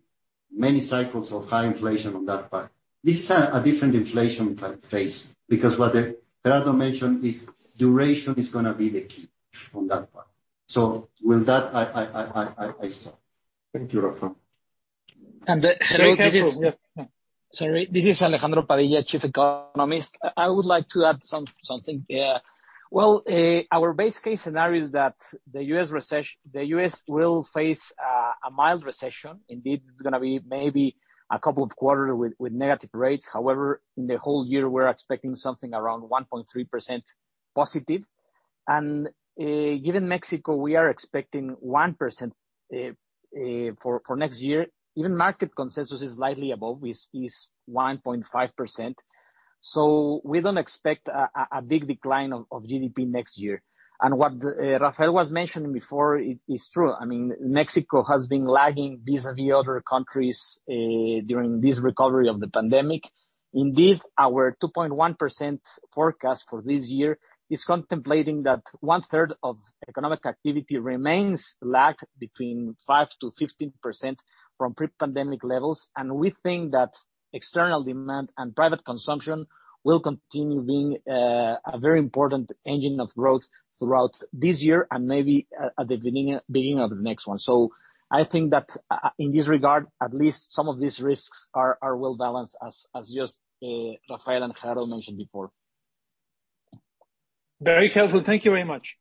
many cycles of high inflation on that part. This is a different inflation phase, because what Gerardo mentioned is duration is gonna be the key on that part. With that, I stop. Thank you, Rafael. Hello. Very careful. Sorry, this is Alejandro Padilla, Chief Economist. I would like to add something here. Well, our base case scenario is that the U.S. will face a mild recession. Indeed, it's gonna be maybe a couple of quarters with negative growth rates. However, in the whole year, we're expecting something around 1.3% positive. Given Mexico, we are expecting 1% for next year. Even market consensus is slightly above 1.5%. We don't expect a big decline of GDP next year. What Rafael Arana was mentioning before is true. I mean, Mexico has been lagging vis-à-vis other countries during this recovery of the pandemic. Indeed, our 2.1% forecast for this year is contemplating that one-third of economic activity remains lagging 5%-15% from pre-pandemic levels. We think that external demand and private consumption will continue being a very important engine of growth throughout this year and maybe at the beginning of the next one. I think that in this regard, at least some of these risks are well balanced, as just Rafael and Gerardo mentioned before. Very helpful. Thank you very much.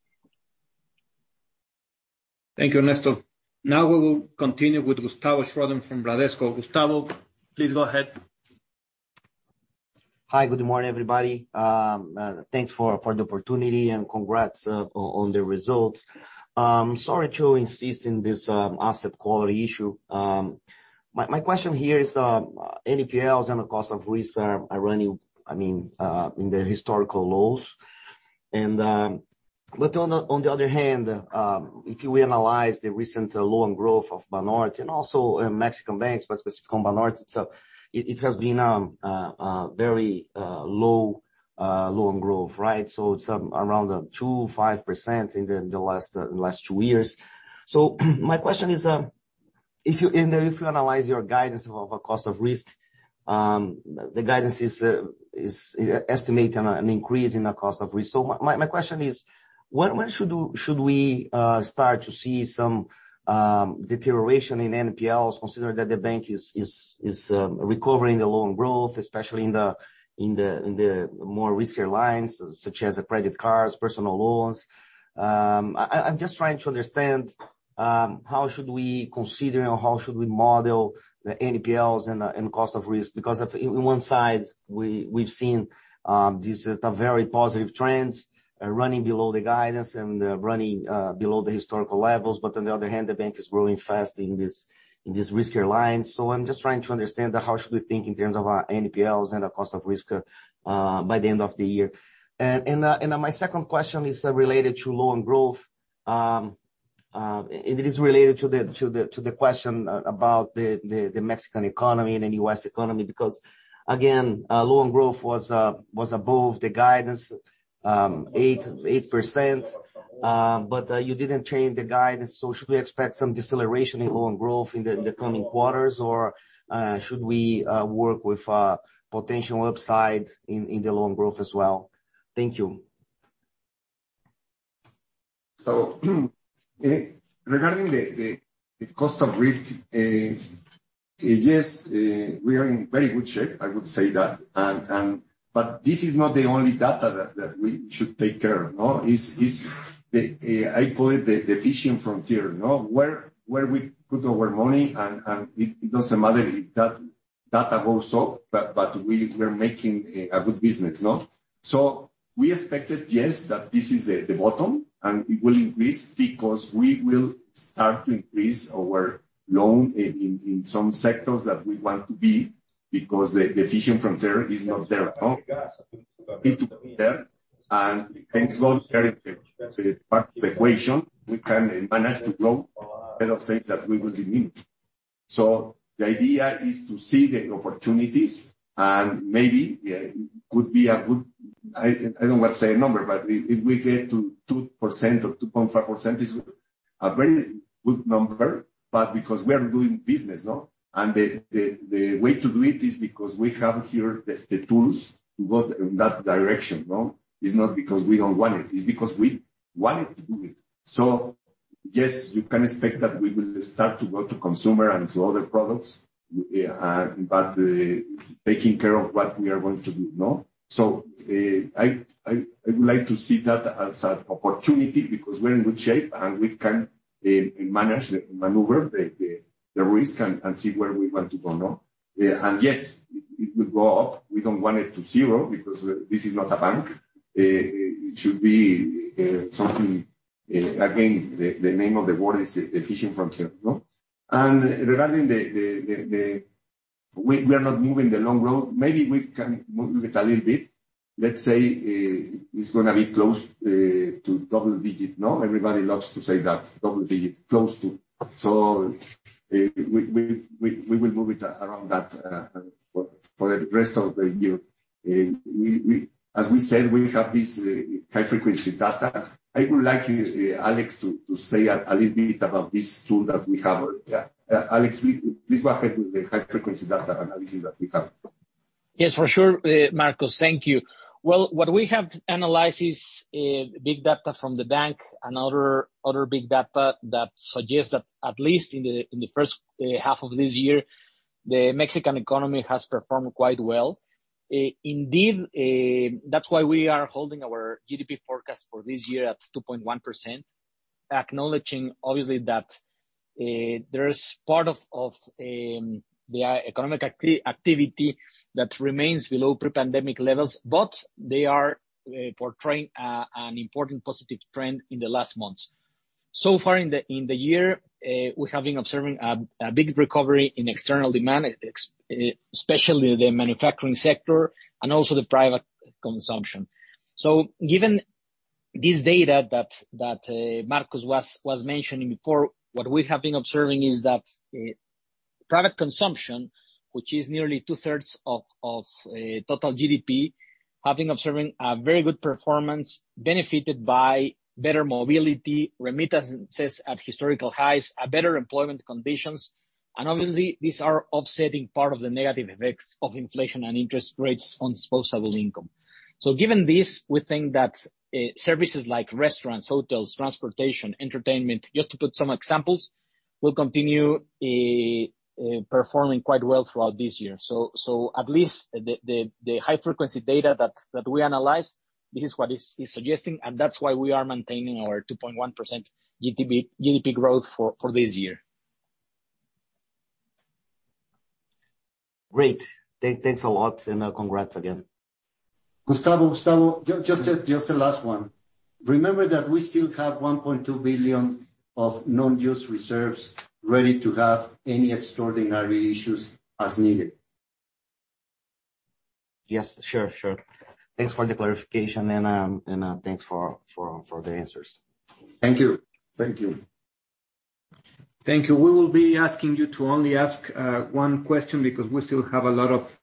Thank you, Ernesto. Now we will continue with Gustavo Schrodt from Bradesco. Gustavo, please go ahead. Hi, good morning, everybody. Thanks for the opportunity and congrats on the results. Sorry to insist on this asset quality issue. My question here is, NPLs and the cost of risk are running, I mean, in their historical lows. On the other hand, if we analyze the recent loan growth of Banorte and also Mexican banks, but specifically Banorte itself, it has been very low loan growth, right? It's around 2.5% in the last two years. My question is, if you analyze your guidance of cost of risk, the guidance is estimated an increase in the cost of risk. My question is, when should we start to see some deterioration in NPLs, considering that the bank is recovering the loan growth, especially in the more riskier lines, such as the credit cards, personal loans? I'm just trying to understand how should we consider or how should we model the NPLs and cost of risk. Because in one side, we've seen these very positive trends running below the guidance and running below the historical levels. On the other hand, the bank is growing fast in this riskier line. I'm just trying to understand how should we think in terms of NPLs and the cost of risk by the end of the year. My second question is related to loan growth. It is related to the question about the Mexican economy and the U.S. economy. Because, again, loan growth was above the guidance, 8%. You didn't change the guidance. Should we expect some deceleration in loan growth in the coming quarters, or should we work with a potential upside in the loan growth as well? Thank you. Regarding the cost of risk, yes, we are in very good shape, I would say that. But this is not the only data that we should take care, no? It's the efficient frontier, no? Where we put our money and it doesn't matter if that data goes up, but we're making a good business, no? We expected, yes, that this is the bottom, and it will increase because we will start to increase our loan in some sectors that we want to be, because the efficient frontier is not there at all. It will be there. Thanks to those characters, the part of the equation, we can manage to grow instead of saying that we will diminish. The idea is to see the opportunities, and maybe, yeah, it could be a good. I don't want to say a number, but if we get to 2% or 2.5%, it's a very good number. Because we are doing business, no? The way to do it is because we have here the tools to go in that direction, no? It's not because we don't want it. It's because we want to do it. Yes, you can expect that we will start to go to consumer and to other products, but taking care of what we are going to do, no? I would like to see that as an opportunity because we're in good shape, and we can maneuver the risk and see where we want to go, no? Yes, it will go up. We don't want it to zero because this is not a bank. It should be something, again, the name of the word is efficient frontier, no? Regarding the, we are not moving the long road. Maybe we can move it a little bit. Let's say, it's gonna be close to double digit, no? Everybody loves to say that. Double digit. Close to. We will move it around that for the rest of the year. As we said, we have this high frequency data. I would like you, Alex to say a little bit about this tool that we have. Yeah. Alex, please go ahead with the high frequency data analysis that we have. Yes, for sure, Marcos. Thank you. Well, what we have analyzed is big data from the bank and other big data that suggests that at least in the first half of this year, the Mexican economy has performed quite well. Indeed, that's why we are holding our GDP forecast for this year at 2.1%, acknowledging obviously that there is part of the economic activity that remains below pre-pandemic levels, but they are portraying an important positive trend in the last months. So far in the year, we have been observing a big recovery in external demand, especially the manufacturing sector and also the private consumption. Given this data that Marcos was mentioning before, what we have been observing is that product consumption, which is nearly two-thirds of total GDP, have been observing a very good performance benefited by better mobility, remittances at historical highs, better employment conditions. Obviously these are offsetting part of the negative effects of inflation and interest rates on disposable income. Given this, we think that services like restaurants, hotels, transportation, entertainment, just to put some examples, will continue performing quite well throughout this year. At least the high frequency data that we analyzed, this is what is suggesting, and that's why we are maintaining our 2.1% GDP growth for this year. Great. Thanks a lot. Congrats again. Gustavo, just a last one. Remember that we still have 1.2 billion of unused reserves ready to handle any extraordinary issues as needed. Yes, sure. Thanks for the clarification, and thanks for the answers. Thank you. Thank you. Thank you. We will be asking you to only ask one question because we still have a lot of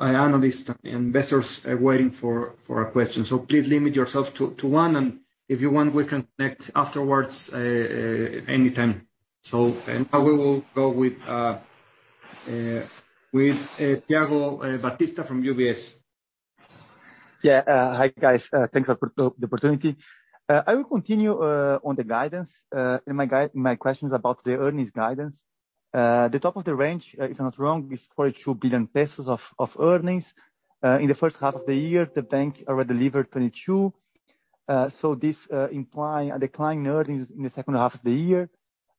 analysts and investors waiting for a question. Please limit yourself to one, and if you want, we can connect afterwards anytime. Now we will go with Thiago Batista from UBS. Hi, guys. Thanks for the opportunity. I will continue on the guidance. My question is about the earnings guidance. The top of the range, if I'm not wrong, is 42 billion pesos of earnings. In the first half of the year, the bank already delivered 22 billion. This implying a decline in earnings in the second half of the year.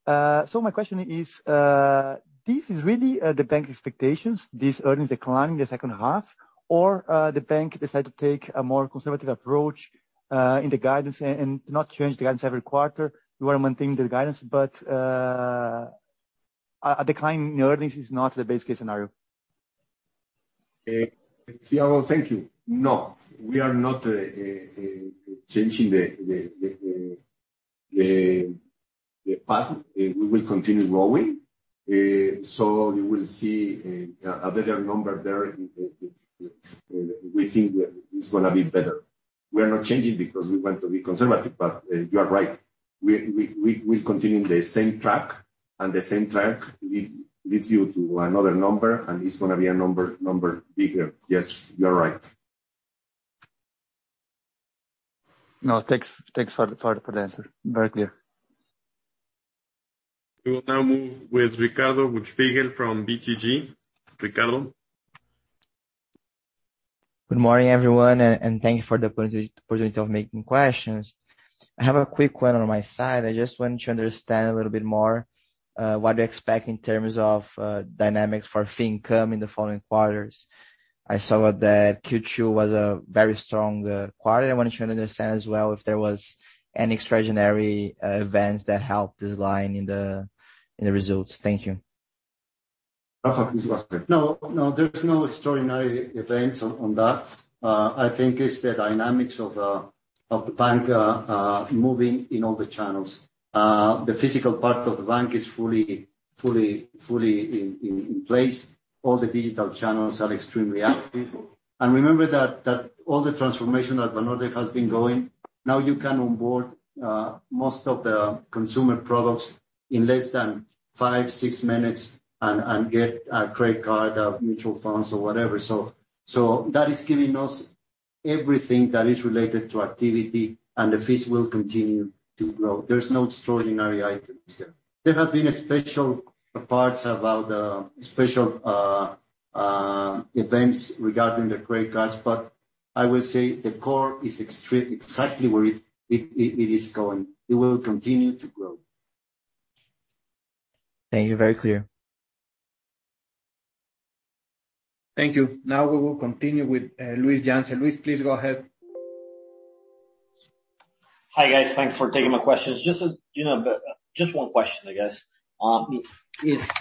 My question is, this is really the bank expectations, this earnings decline in the second half? Or the bank decide to take a more conservative approach in the guidance and not change the guidance every quarter. You wanna maintain the guidance, but a decline in earnings is not the base case scenario. Tiago, thank you. No, we are not changing the path. We will continue growing. You will see a better number there. We think that it's gonna be better. We are not changing because we want to be conservative, but you are right. We continue in the same track. The same track leads you to another number, and it's gonna be a number bigger. Yes, you are right. No, thanks for the answer. Very clear. We will now move with Ricardo Buchstab from BTG. Ricardo. Good morning, everyone, and thank you for the opportunity of making questions. I have a quick one on my side. I just want to understand a little bit more what you expect in terms of dynamics for fee income in the following quarters. I saw that Q2 was a very strong quarter. I wanted to understand as well if there was any extraordinary events that helped this line in the results. Thank you. Rafael, please go ahead. No, there is no extraordinary events on that. I think it's the dynamics of the bank moving in all the channels. The physical part of the bank is fully in place. All the digital channels are extremely active. Remember that all the transformation that Banorte has been going, now you can onboard most of the consumer products in less than 5, 6 minutes and get a credit card, mutual funds or whatever. That is giving us everything that is related to activity, and the fees will continue to grow. There's no extraordinary items there. There have been special parts about special events regarding the credit cards, but I would say the core is exactly where it is going. It will continue to grow. Thank you. Very clear. Thank you. Now we will continue with Luis Yance. Luis, please go ahead. Hi guys. Thanks for taking my questions. Just, you know, but just one question, I guess. If,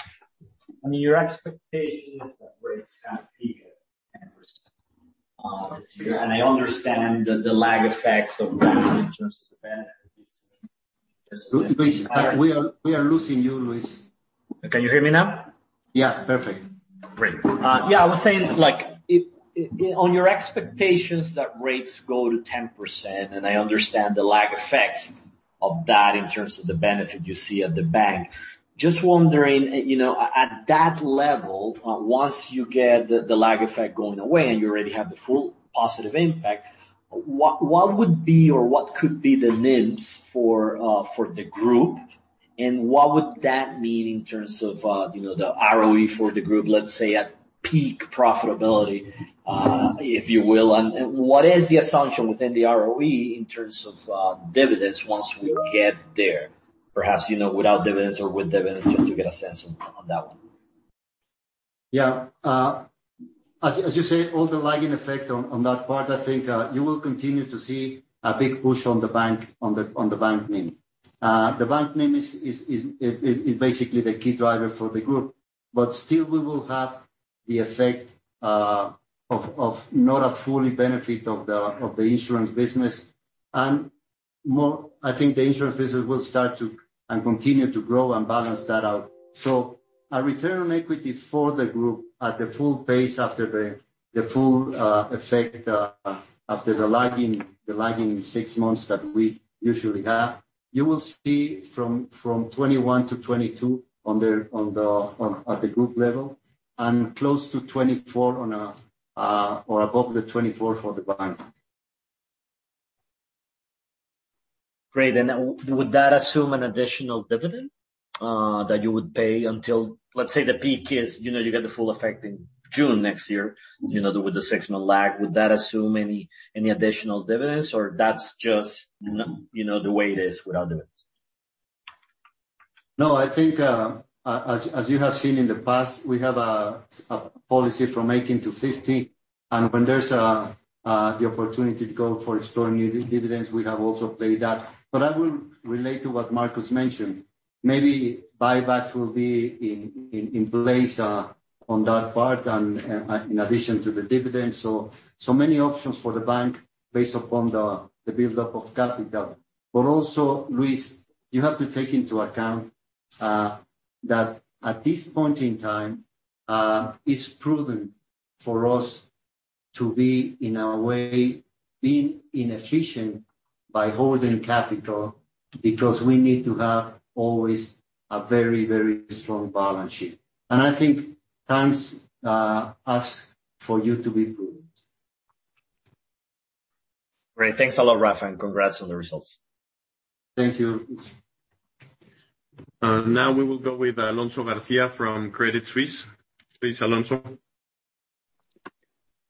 I mean, your expectation is that rates have peaked at 10%, and I understand the lag effects of that in terms of the benefits. Luis, we are losing you, Luis. Can you hear me now? Yeah. Perfect. Great. I was saying, like, on your expectations that rates go to 10%, and I understand the lag effects of that in terms of the benefit you see at the bank. Just wondering, you know, at that level, once you get the lag effect going away and you already have the full positive impact, what would be or what could be the NIMs for the group. What would that mean in terms of, you know, the ROE for the group, let's say at peak profitability, if you will. What is the assumption within the ROE in terms of dividends once we get there? Perhaps, you know, without dividends or with dividends, just to get a sense on that one. Yeah. As you say, all the lagging effect on that part, I think you will continue to see a big push on the bank, on the bank NIM. The bank NIM is basically the key driver for the group, but still we will have the effect of not a full benefit of the insurance business. More, I think the insurance business will start to and continue to grow and balance that out. A return on equity for the group at the full pace after the full effect after the lagging six months that we usually have. You will see from 21% to 22% at the group level and close to 24% or above the 24% for the bank. Great. Would that assume an additional dividend that you would pay until, let's say the peak is, you know, you get the full effect in June next year, you know, with the six-month lag. Would that assume any additional dividends, or that's just you know, the way it is without dividends? No, I think, as you have seen in the past, we have a policy from 18%-50%, and when there's the opportunity to go for extraordinary dividends, we have also paid that. I will relate to what Marcos mentioned. Maybe buybacks will be in place on that part and in addition to the dividends. Many options for the bank based upon the buildup of capital. Also, Luis, you have to take into account that at this point in time it's prudent for us to be, in our way, being inefficient by holding capital because we need to have always a very, very strong balance sheet. I think times ask for you to be prudent. Great. Thanks a lot, Rafael, and congrats on the results. Thank you. Now we will go with Alonso Garcia from Credit Suisse. Please, Alonso.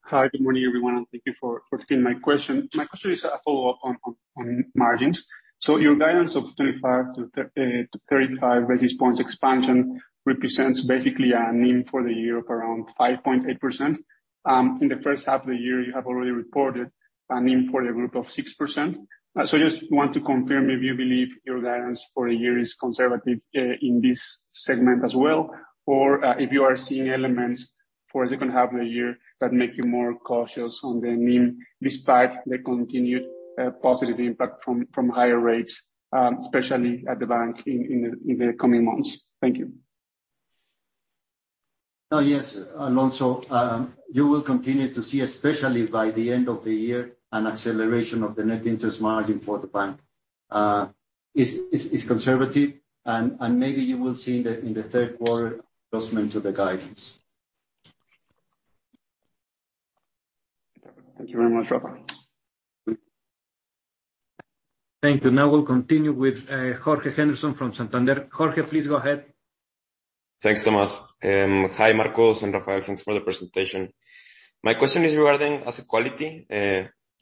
Hi, good morning, everyone, and thank you for taking my question. My question is a follow-up on margins. Your guidance of 25-35 basis points expansion represents basically a NIM for the year of around 5.8%. In the first half of the year, you have already reported a NIM for the group of 6%. Just want to confirm if you believe your guidance for the year is conservative in this segment as well, or if you are seeing elements for the second half of the year that make you more cautious on the NIM, despite the continued positive impact from higher rates, especially at the bank in the coming months. Thank you. Oh, yes, Alonso. You will continue to see, especially by the end of the year, an acceleration of the net interest margin for the bank. Is conservative and maybe you will see in the third quarter adjustment to the guidance. Thank you very much, Rafael. Thank you. Now we'll continue with Jorge Henderson from Santander. Jorge, please go ahead. Thanks so much. Hi, Marcos and Rafael. Thanks for the presentation. My question is regarding asset quality.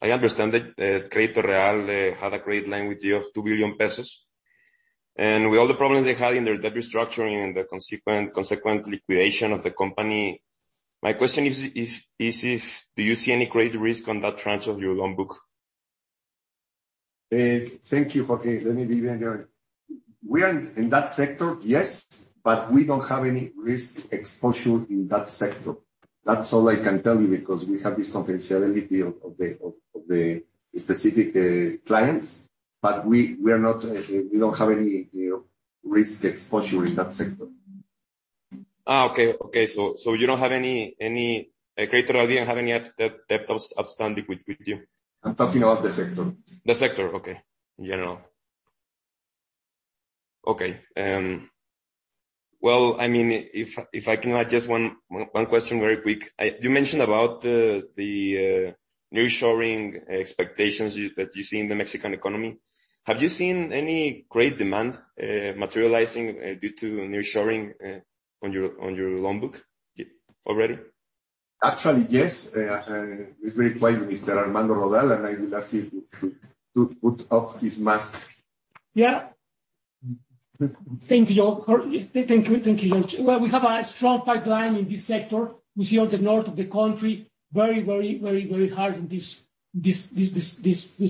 I understand that, Crédito Real had a bad year of 2 billion pesos. With all the problems they had in their debt restructuring and the consequent liquidation of the company, my question is if do you see any credit risk on that tranche of your loan book? Thank you, Jorge. Let me begin there. We are in that sector, yes, but we don't have any risk exposure in that sector. That's all I can tell you because we have this confidentiality of the specific clients, but we are not, we don't have any, you know, risk exposure in that sector. Okay. Crédito Real didn't have any debt that was outstanding with you? I'm talking about the sector. The sector, okay. In general. Okay. Well, I mean, if I can add just one question very quick. You mentioned about the nearshoring expectations that you see in the Mexican economy. Have you seen any great demand materializing due to nearshoring on your loan book already? Actually, yes. It's very quiet, Mr. Armando Rodal, and I will ask him to take off his mask. Thank you, Joe. Thank you, thank you, John. Well, we have a strong pipeline in this sector. We see on the north of the country very active in this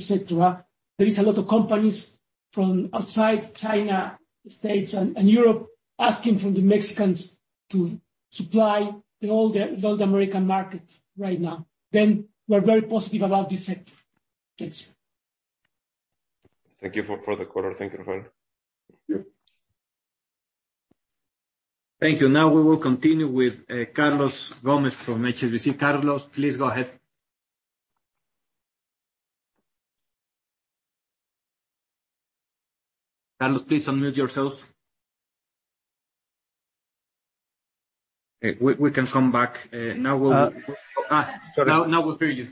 sector. There is a lot of companies from China, United States, and Europe asking the Mexicans to supply all the American markets right now. We're very positive about this sector. Thanks. Thank you for the color. Thank you, Rafael. Yeah. Thank you. Now we will continue with Carlos Gomez-Lopez from HSBC. Carlos, please go ahead. Carlos, please unmute yourself. We can come back. Now we'll- Uh. Now we hear you.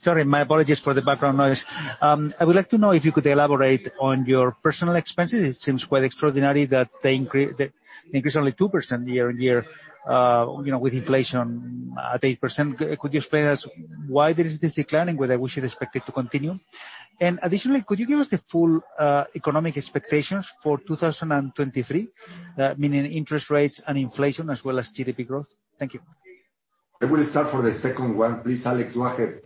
Sorry, my apologies for the background noise. I would like to know if you could elaborate on your personnel expenses. It seems quite extraordinary that they increased only 2% year-on-year, you know, with inflation at 8%. Could you explain us why there is this decline and whether we should expect it to continue? Additionally, could you give us the full economic expectations for 2023, meaning interest rates and inflation as well as GDP growth? Thank you. I will start for the second one. Please, Alex, go ahead.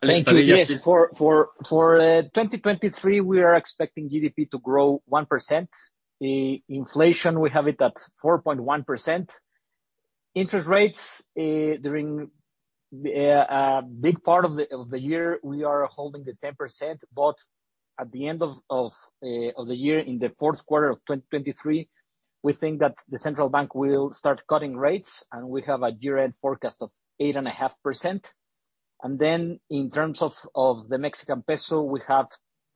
Thank you. Yes. For 2023, we are expecting GDP to grow 1%. The inflation, we have it at 4.1%. Interest rates, during a big part of the year, we are holding the 10%, but at the end of the year, in the fourth quarter of 2023, we think that the central bank will start cutting rates, and we have a year-end forecast of 8.5%. Then in terms of the Mexican peso, we have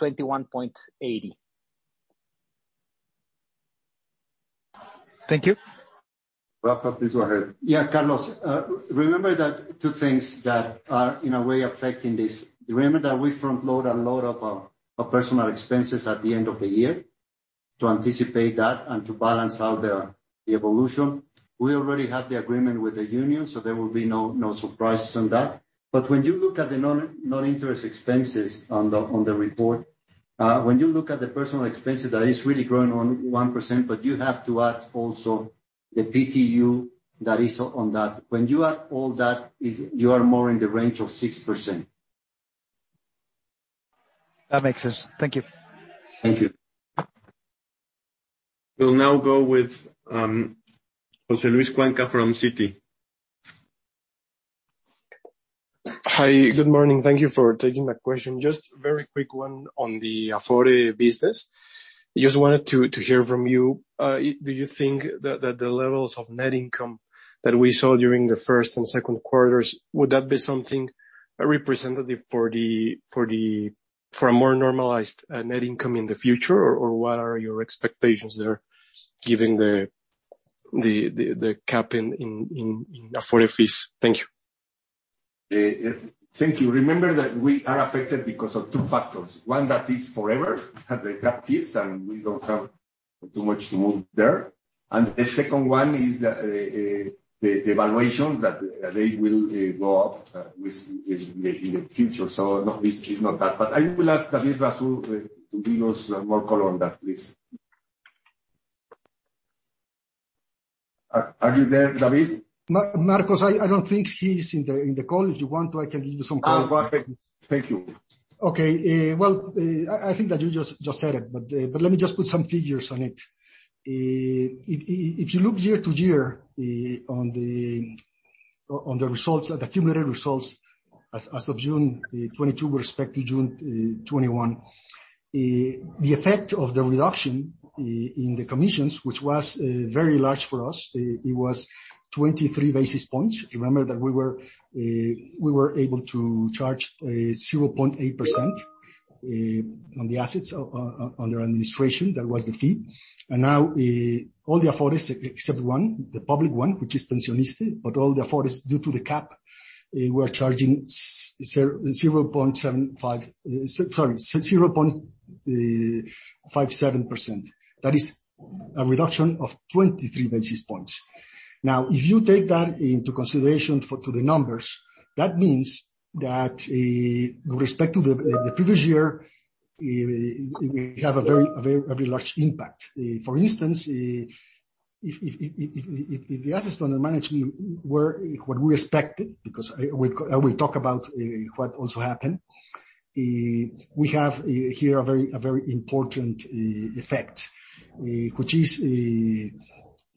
21.80. Thank you. Rafael, please go ahead. Yeah, Carlos, remember that two things that are in a way affecting this. Remember that we front load a lot of our personal expenses at the end of the year to anticipate that and to balance out the evolution. We already have the agreement with the union, so there will be no surprises on that. But when you look at the non-interest expenses on the report, when you look at the personal expenses, that is really growing at 1%, but you have to add also the PTU that is on that. When you add all that, you are more in the range of 6%. That makes sense. Thank you. Thank you. We'll now go with Jose Luis Cuenca from Citi. Hi, good morning. Thank you for taking my question. Just very quick one on the Afore business. Just wanted to hear from you. Do you think that the levels of net income that we saw during the first and second quarters would be something representative for a more normalized net income in the future? Or what are your expectations there, given the cap in Afore fees? Thank you. Thank you. Remember that we are affected because of two factors. One, that is forever, have the cap fees, and we don't have too much to move there. The second one is the valuations that they will go up in the future. No, it's not that. I will ask David Russell to give us more color on that, please. Are you there, David? Marcos, I don't think he's in the call. If you want to, I can give you some color. Oh, go ahead. Thank you. Okay. Well, I think that you just said it, but let me just put some figures on it. If you look year-to-year on the results, the cumulative results as of June 2022 with respect to June 2021, the effect of the reduction in the commissions, which was very large for us, it was 23 basis points. Remember that we were able to charge 0.8% on the assets under administration. That was the fee. Now, all the Afores except one, the public one, which is PensionISSSTE, but all the Afores, due to the cap, we're charging 0.75%, sorry, 0.57%. That is a reduction of 23 basis points. Now, if you take that into consideration with respect to the numbers, that means that with respect to the previous year, we have a very large impact. For instance, if the assets under management were what we expected, because we'll talk about what also happened, we have here a very important effect, which is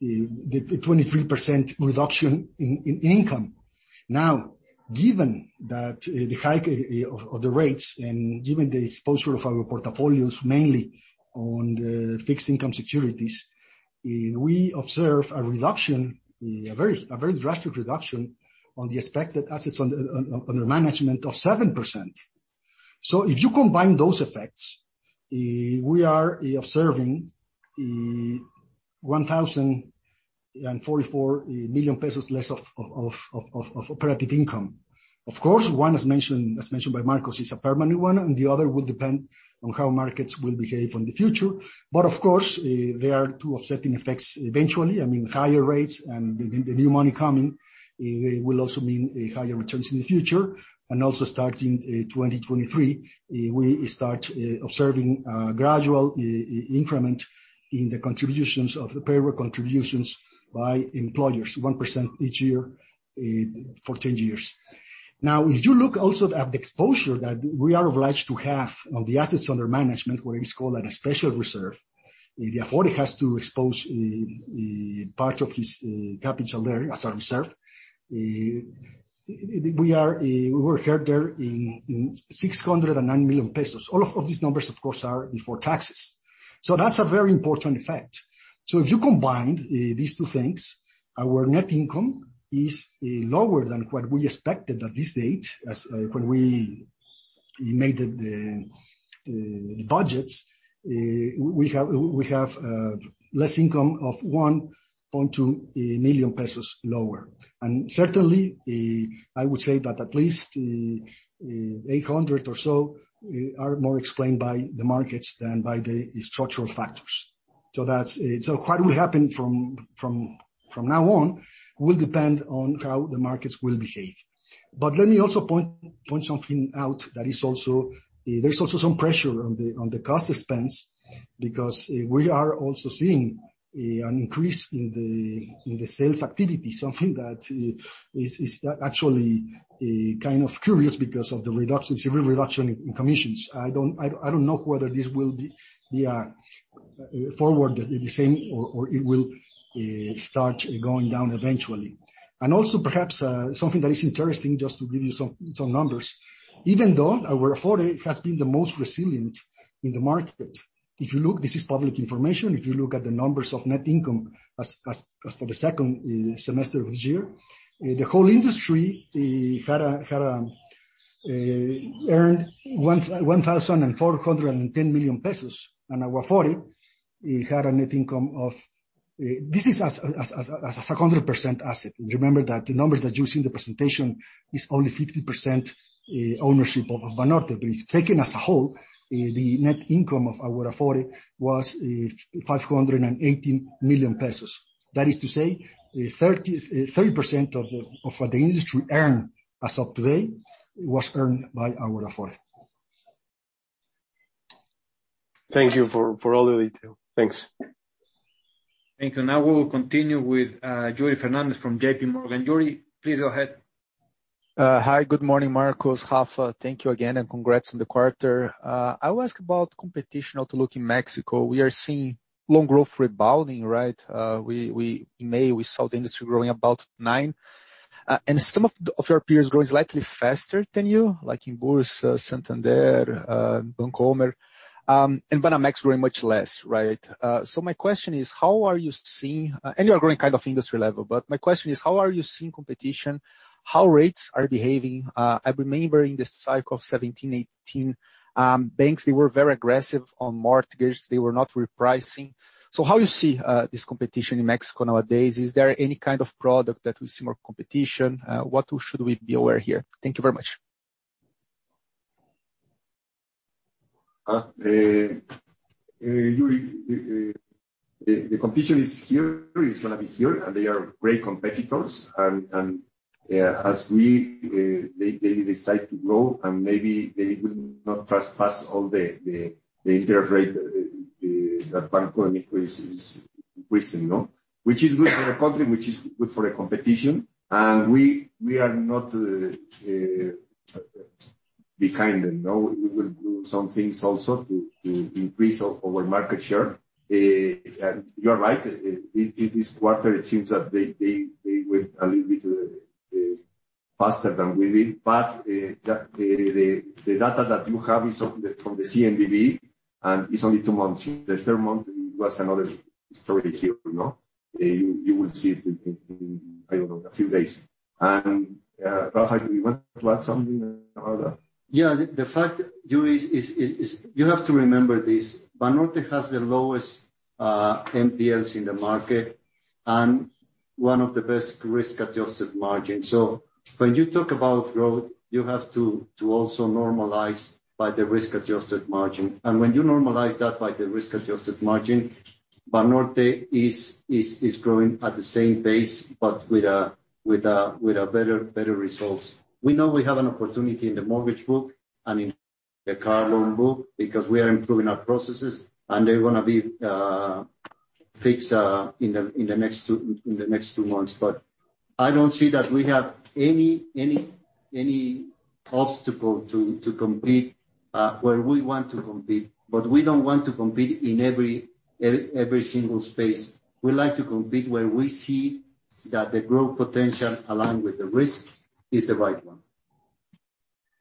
the 23% reduction in income. Now, given that the hike of the rates and given the exposure of our portfolios mainly on the fixed income securities, we observe a reduction, a very drastic reduction on the expected assets under management of 7%. If you combine those effects, we are observing MXN 1,044 million less of operating income. Of course, one, as mentioned by Marcos, is a permanent one, and the other will depend on how markets will behave in the future. Of course, there are two offsetting effects eventually. I mean, higher rates and the new money coming will also mean higher returns in the future. Also starting 2023, we start observing gradual increment in the payroll contributions by employers, 1% each year for 10 years. If you look also at the exposure that we are obliged to have on the assets under management, where it's called a special reserve. The authority has to expose part of his capital there as a reserve. We are, we work harder in 609 million pesos. All of these numbers, of course, are before taxes. That's a very important effect. If you combined these two things, our net income is lower than what we expected at this date. When we made the, the budgets, we have, we have less income of 1.2 million pesos lower. Certainly, I would say that at least 800 or so are more explained by the markets than by the structural factors. That's what will happen from now on will depend on how the markets will behave. Let me also point something out that is also, there's also some pressure on the cost expense, because we are also seeing an increase in the sales activity. Something that is actually kind of curious because of the reduction, severe reduction in commissions. I don't know whether this will be the same going forward or it will start going down eventually. Also perhaps something that is interesting, just to give you some numbers. Even though Afore has been the most resilient in the market, if you look, this is public information, if you look at the numbers of net income for the second semester of this year. The whole industry had earned 1,410 million pesos. Afore had a net income of. This is as a 100% asset. Remember that the numbers that you see in the presentation is only 50% ownership of Banorte. It's taken as a whole, the net income of Afore was 580 million pesos. That is to say, 30% of what the industry earned as of today was earned by Afore. Thank you for all the detail. Thanks. Thank you. Now we will continue with Yuri Fernandes from J.P. Morgan. Yuri, please go ahead. Hi. Good morning, Marcos, Rafa. Thank you again and congrats on the quarter. I will ask about competition outlook in Mexico. We are seeing loan growth rebounding, right? In May, we saw the industry growing about 9%. And some of your peers growing slightly faster than you, like Inbursa, Santander, BBVA México, and Citibanamex growing much less, right? So my question is, how are you seeing competition? You are growing kind of industry level, but my question is, how are you seeing competition? How rates are behaving? I remember in the cycle of 2017 2018, banks they were very aggressive on mortgages. They were not repricing. So how you see this competition in Mexico nowadays? Is there any kind of product that we see more competition? What should we be aware here? Thank you very much. Yuri, the competition is here, is gonna be here, and they are great competitors. As they decide to grow and maybe they will not trespass all the interest rate that Banco de México, which is good for the country, which is good for the competition. We are not behind them. No, we will do some things also to increase our market share. You are right. In this quarter, it seems that they went a little bit faster than we did. The data that you have is from the CNBV, and it's only two months. The third month was another story here, you know. You will see it in, I don't know, a few days. Rafa, do you want to add something about that? Yeah. The fact, Yuri, is you have to remember this. Banorte has the lowest NPLs in the market and one of the best risk-adjusted margins. When you talk about growth, you have to also normalize by the risk-adjusted margin. When you normalize that by the risk-adjusted margin, Banorte is growing at the same pace, but with a better results. We know we have an opportunity in the mortgage book and in the car loan book because we are improving our processes, and they're gonna be fixed in the next two months. I don't see that we have any obstacle to compete where we want to compete. We don't want to compete in every single space. We like to compete where we see that the growth potential along with the risk is the right one.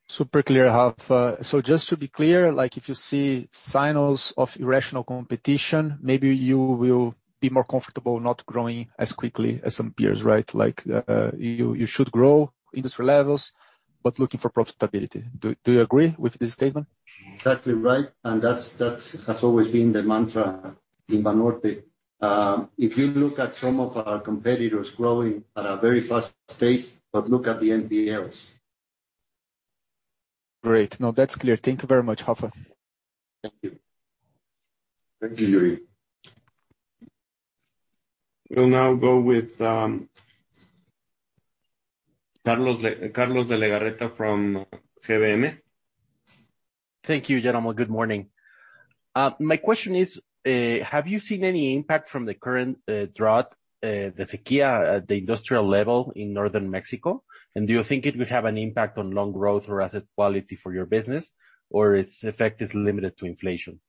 Super clear, Rafa. Just to be clear, like if you see signals of irrational competition, maybe you will be more comfortable not growing as quickly as some peers, right? Like, you should grow at industry levels, but looking for profitability. Do you agree with this statement? Exactly right. That has always been the mantra in Banorte. If you look at some of our competitors growing at a very fast pace, but look at the NPLs. Great. No, that's clear. Thank you very much, Rafa. Thank you. Thank you, Yuri. We'll now go with Carlos de la Isla from GBM. Thank you, gentlemen. Good morning. My question is, have you seen any impact from the current drought, the sequía at the industrial level in northern Mexico? Do you think it will have an impact on loan growth or asset quality for your business, or its effect is limited to inflation?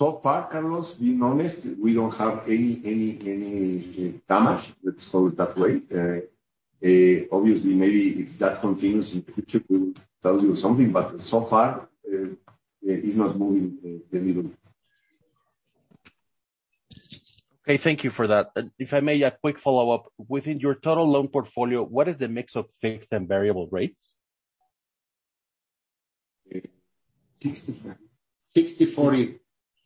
So far, Carlos, to be honest, we don't have any damage, let's call it that way. Obviously, maybe if that continues in the future, we'll tell you something, but so far, it's not moving the needle. Okay. Thank you for that. If I may, a quick follow-up. Within your total loan portfolio, what is the mix of fixed and variable rates? 60/40.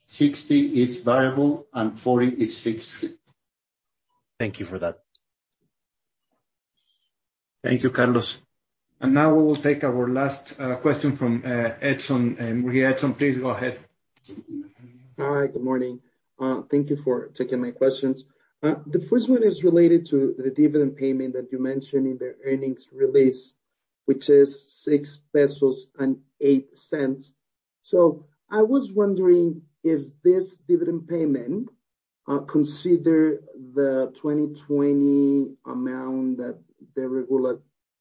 60 is variable and 40 is fixed. Thank you for that. Thank you, Carlos. Now we will take our last question from Edson. Edson, please go ahead. Hi, good morning. Thank you for taking my questions. The first one is related to the dividend payment that you mentioned in the earnings release, which is 6.08 pesos. I was wondering, is this dividend payment consider the 2020 amount that the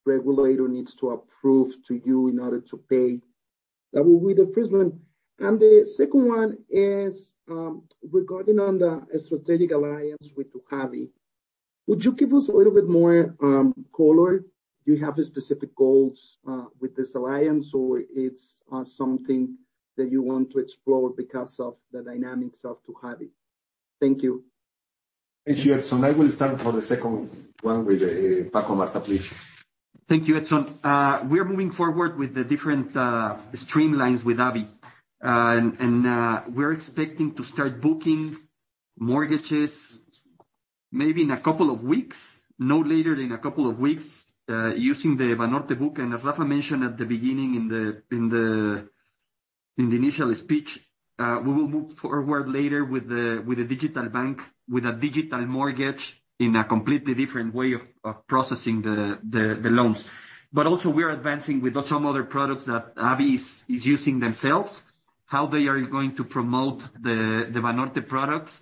regulator needs to approve to you in order to pay? That will be the first one. The second one is, regarding on the strategic alliance with Habi. Would you give us a little bit more color? Do you have specific goals with this alliance, or it's something that you want to explore because of the dynamics of Habi? Thank you. Thank you, Edson. I will start for the second one with, Francisco Martha, please. Thank you, Edson. We are moving forward with the different streamlines with Habi. We're expecting to start booking mortgages maybe in a couple of weeks, no later than a couple of weeks, using the Banorte book. As Rafa mentioned at the beginning in the initial speech, we will move forward later with the digital bank, with a digital mortgage in a completely different way of processing the loans. We are advancing with some other products that Habi is using themselves, how they are going to promote the Banorte products,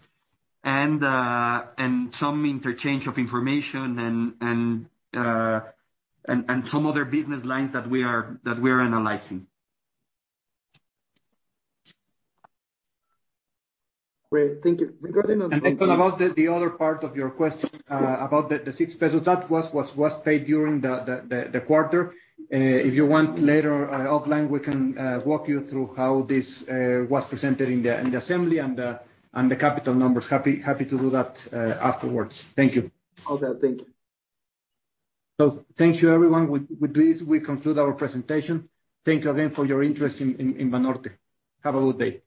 and some interchange of information and some other business lines that we are analyzing. Great. Thank you. Regarding the About the other part of your question, about the 6 pesos. That was paid during the quarter. If you want later offline, we can walk you through how this was presented in the assembly and the capital numbers. Happy to do that afterwards. Thank you. All good. Thank you. Thank you everyone. With this, we conclude our presentation. Thank you again for your interest in Banorte. Have a good day.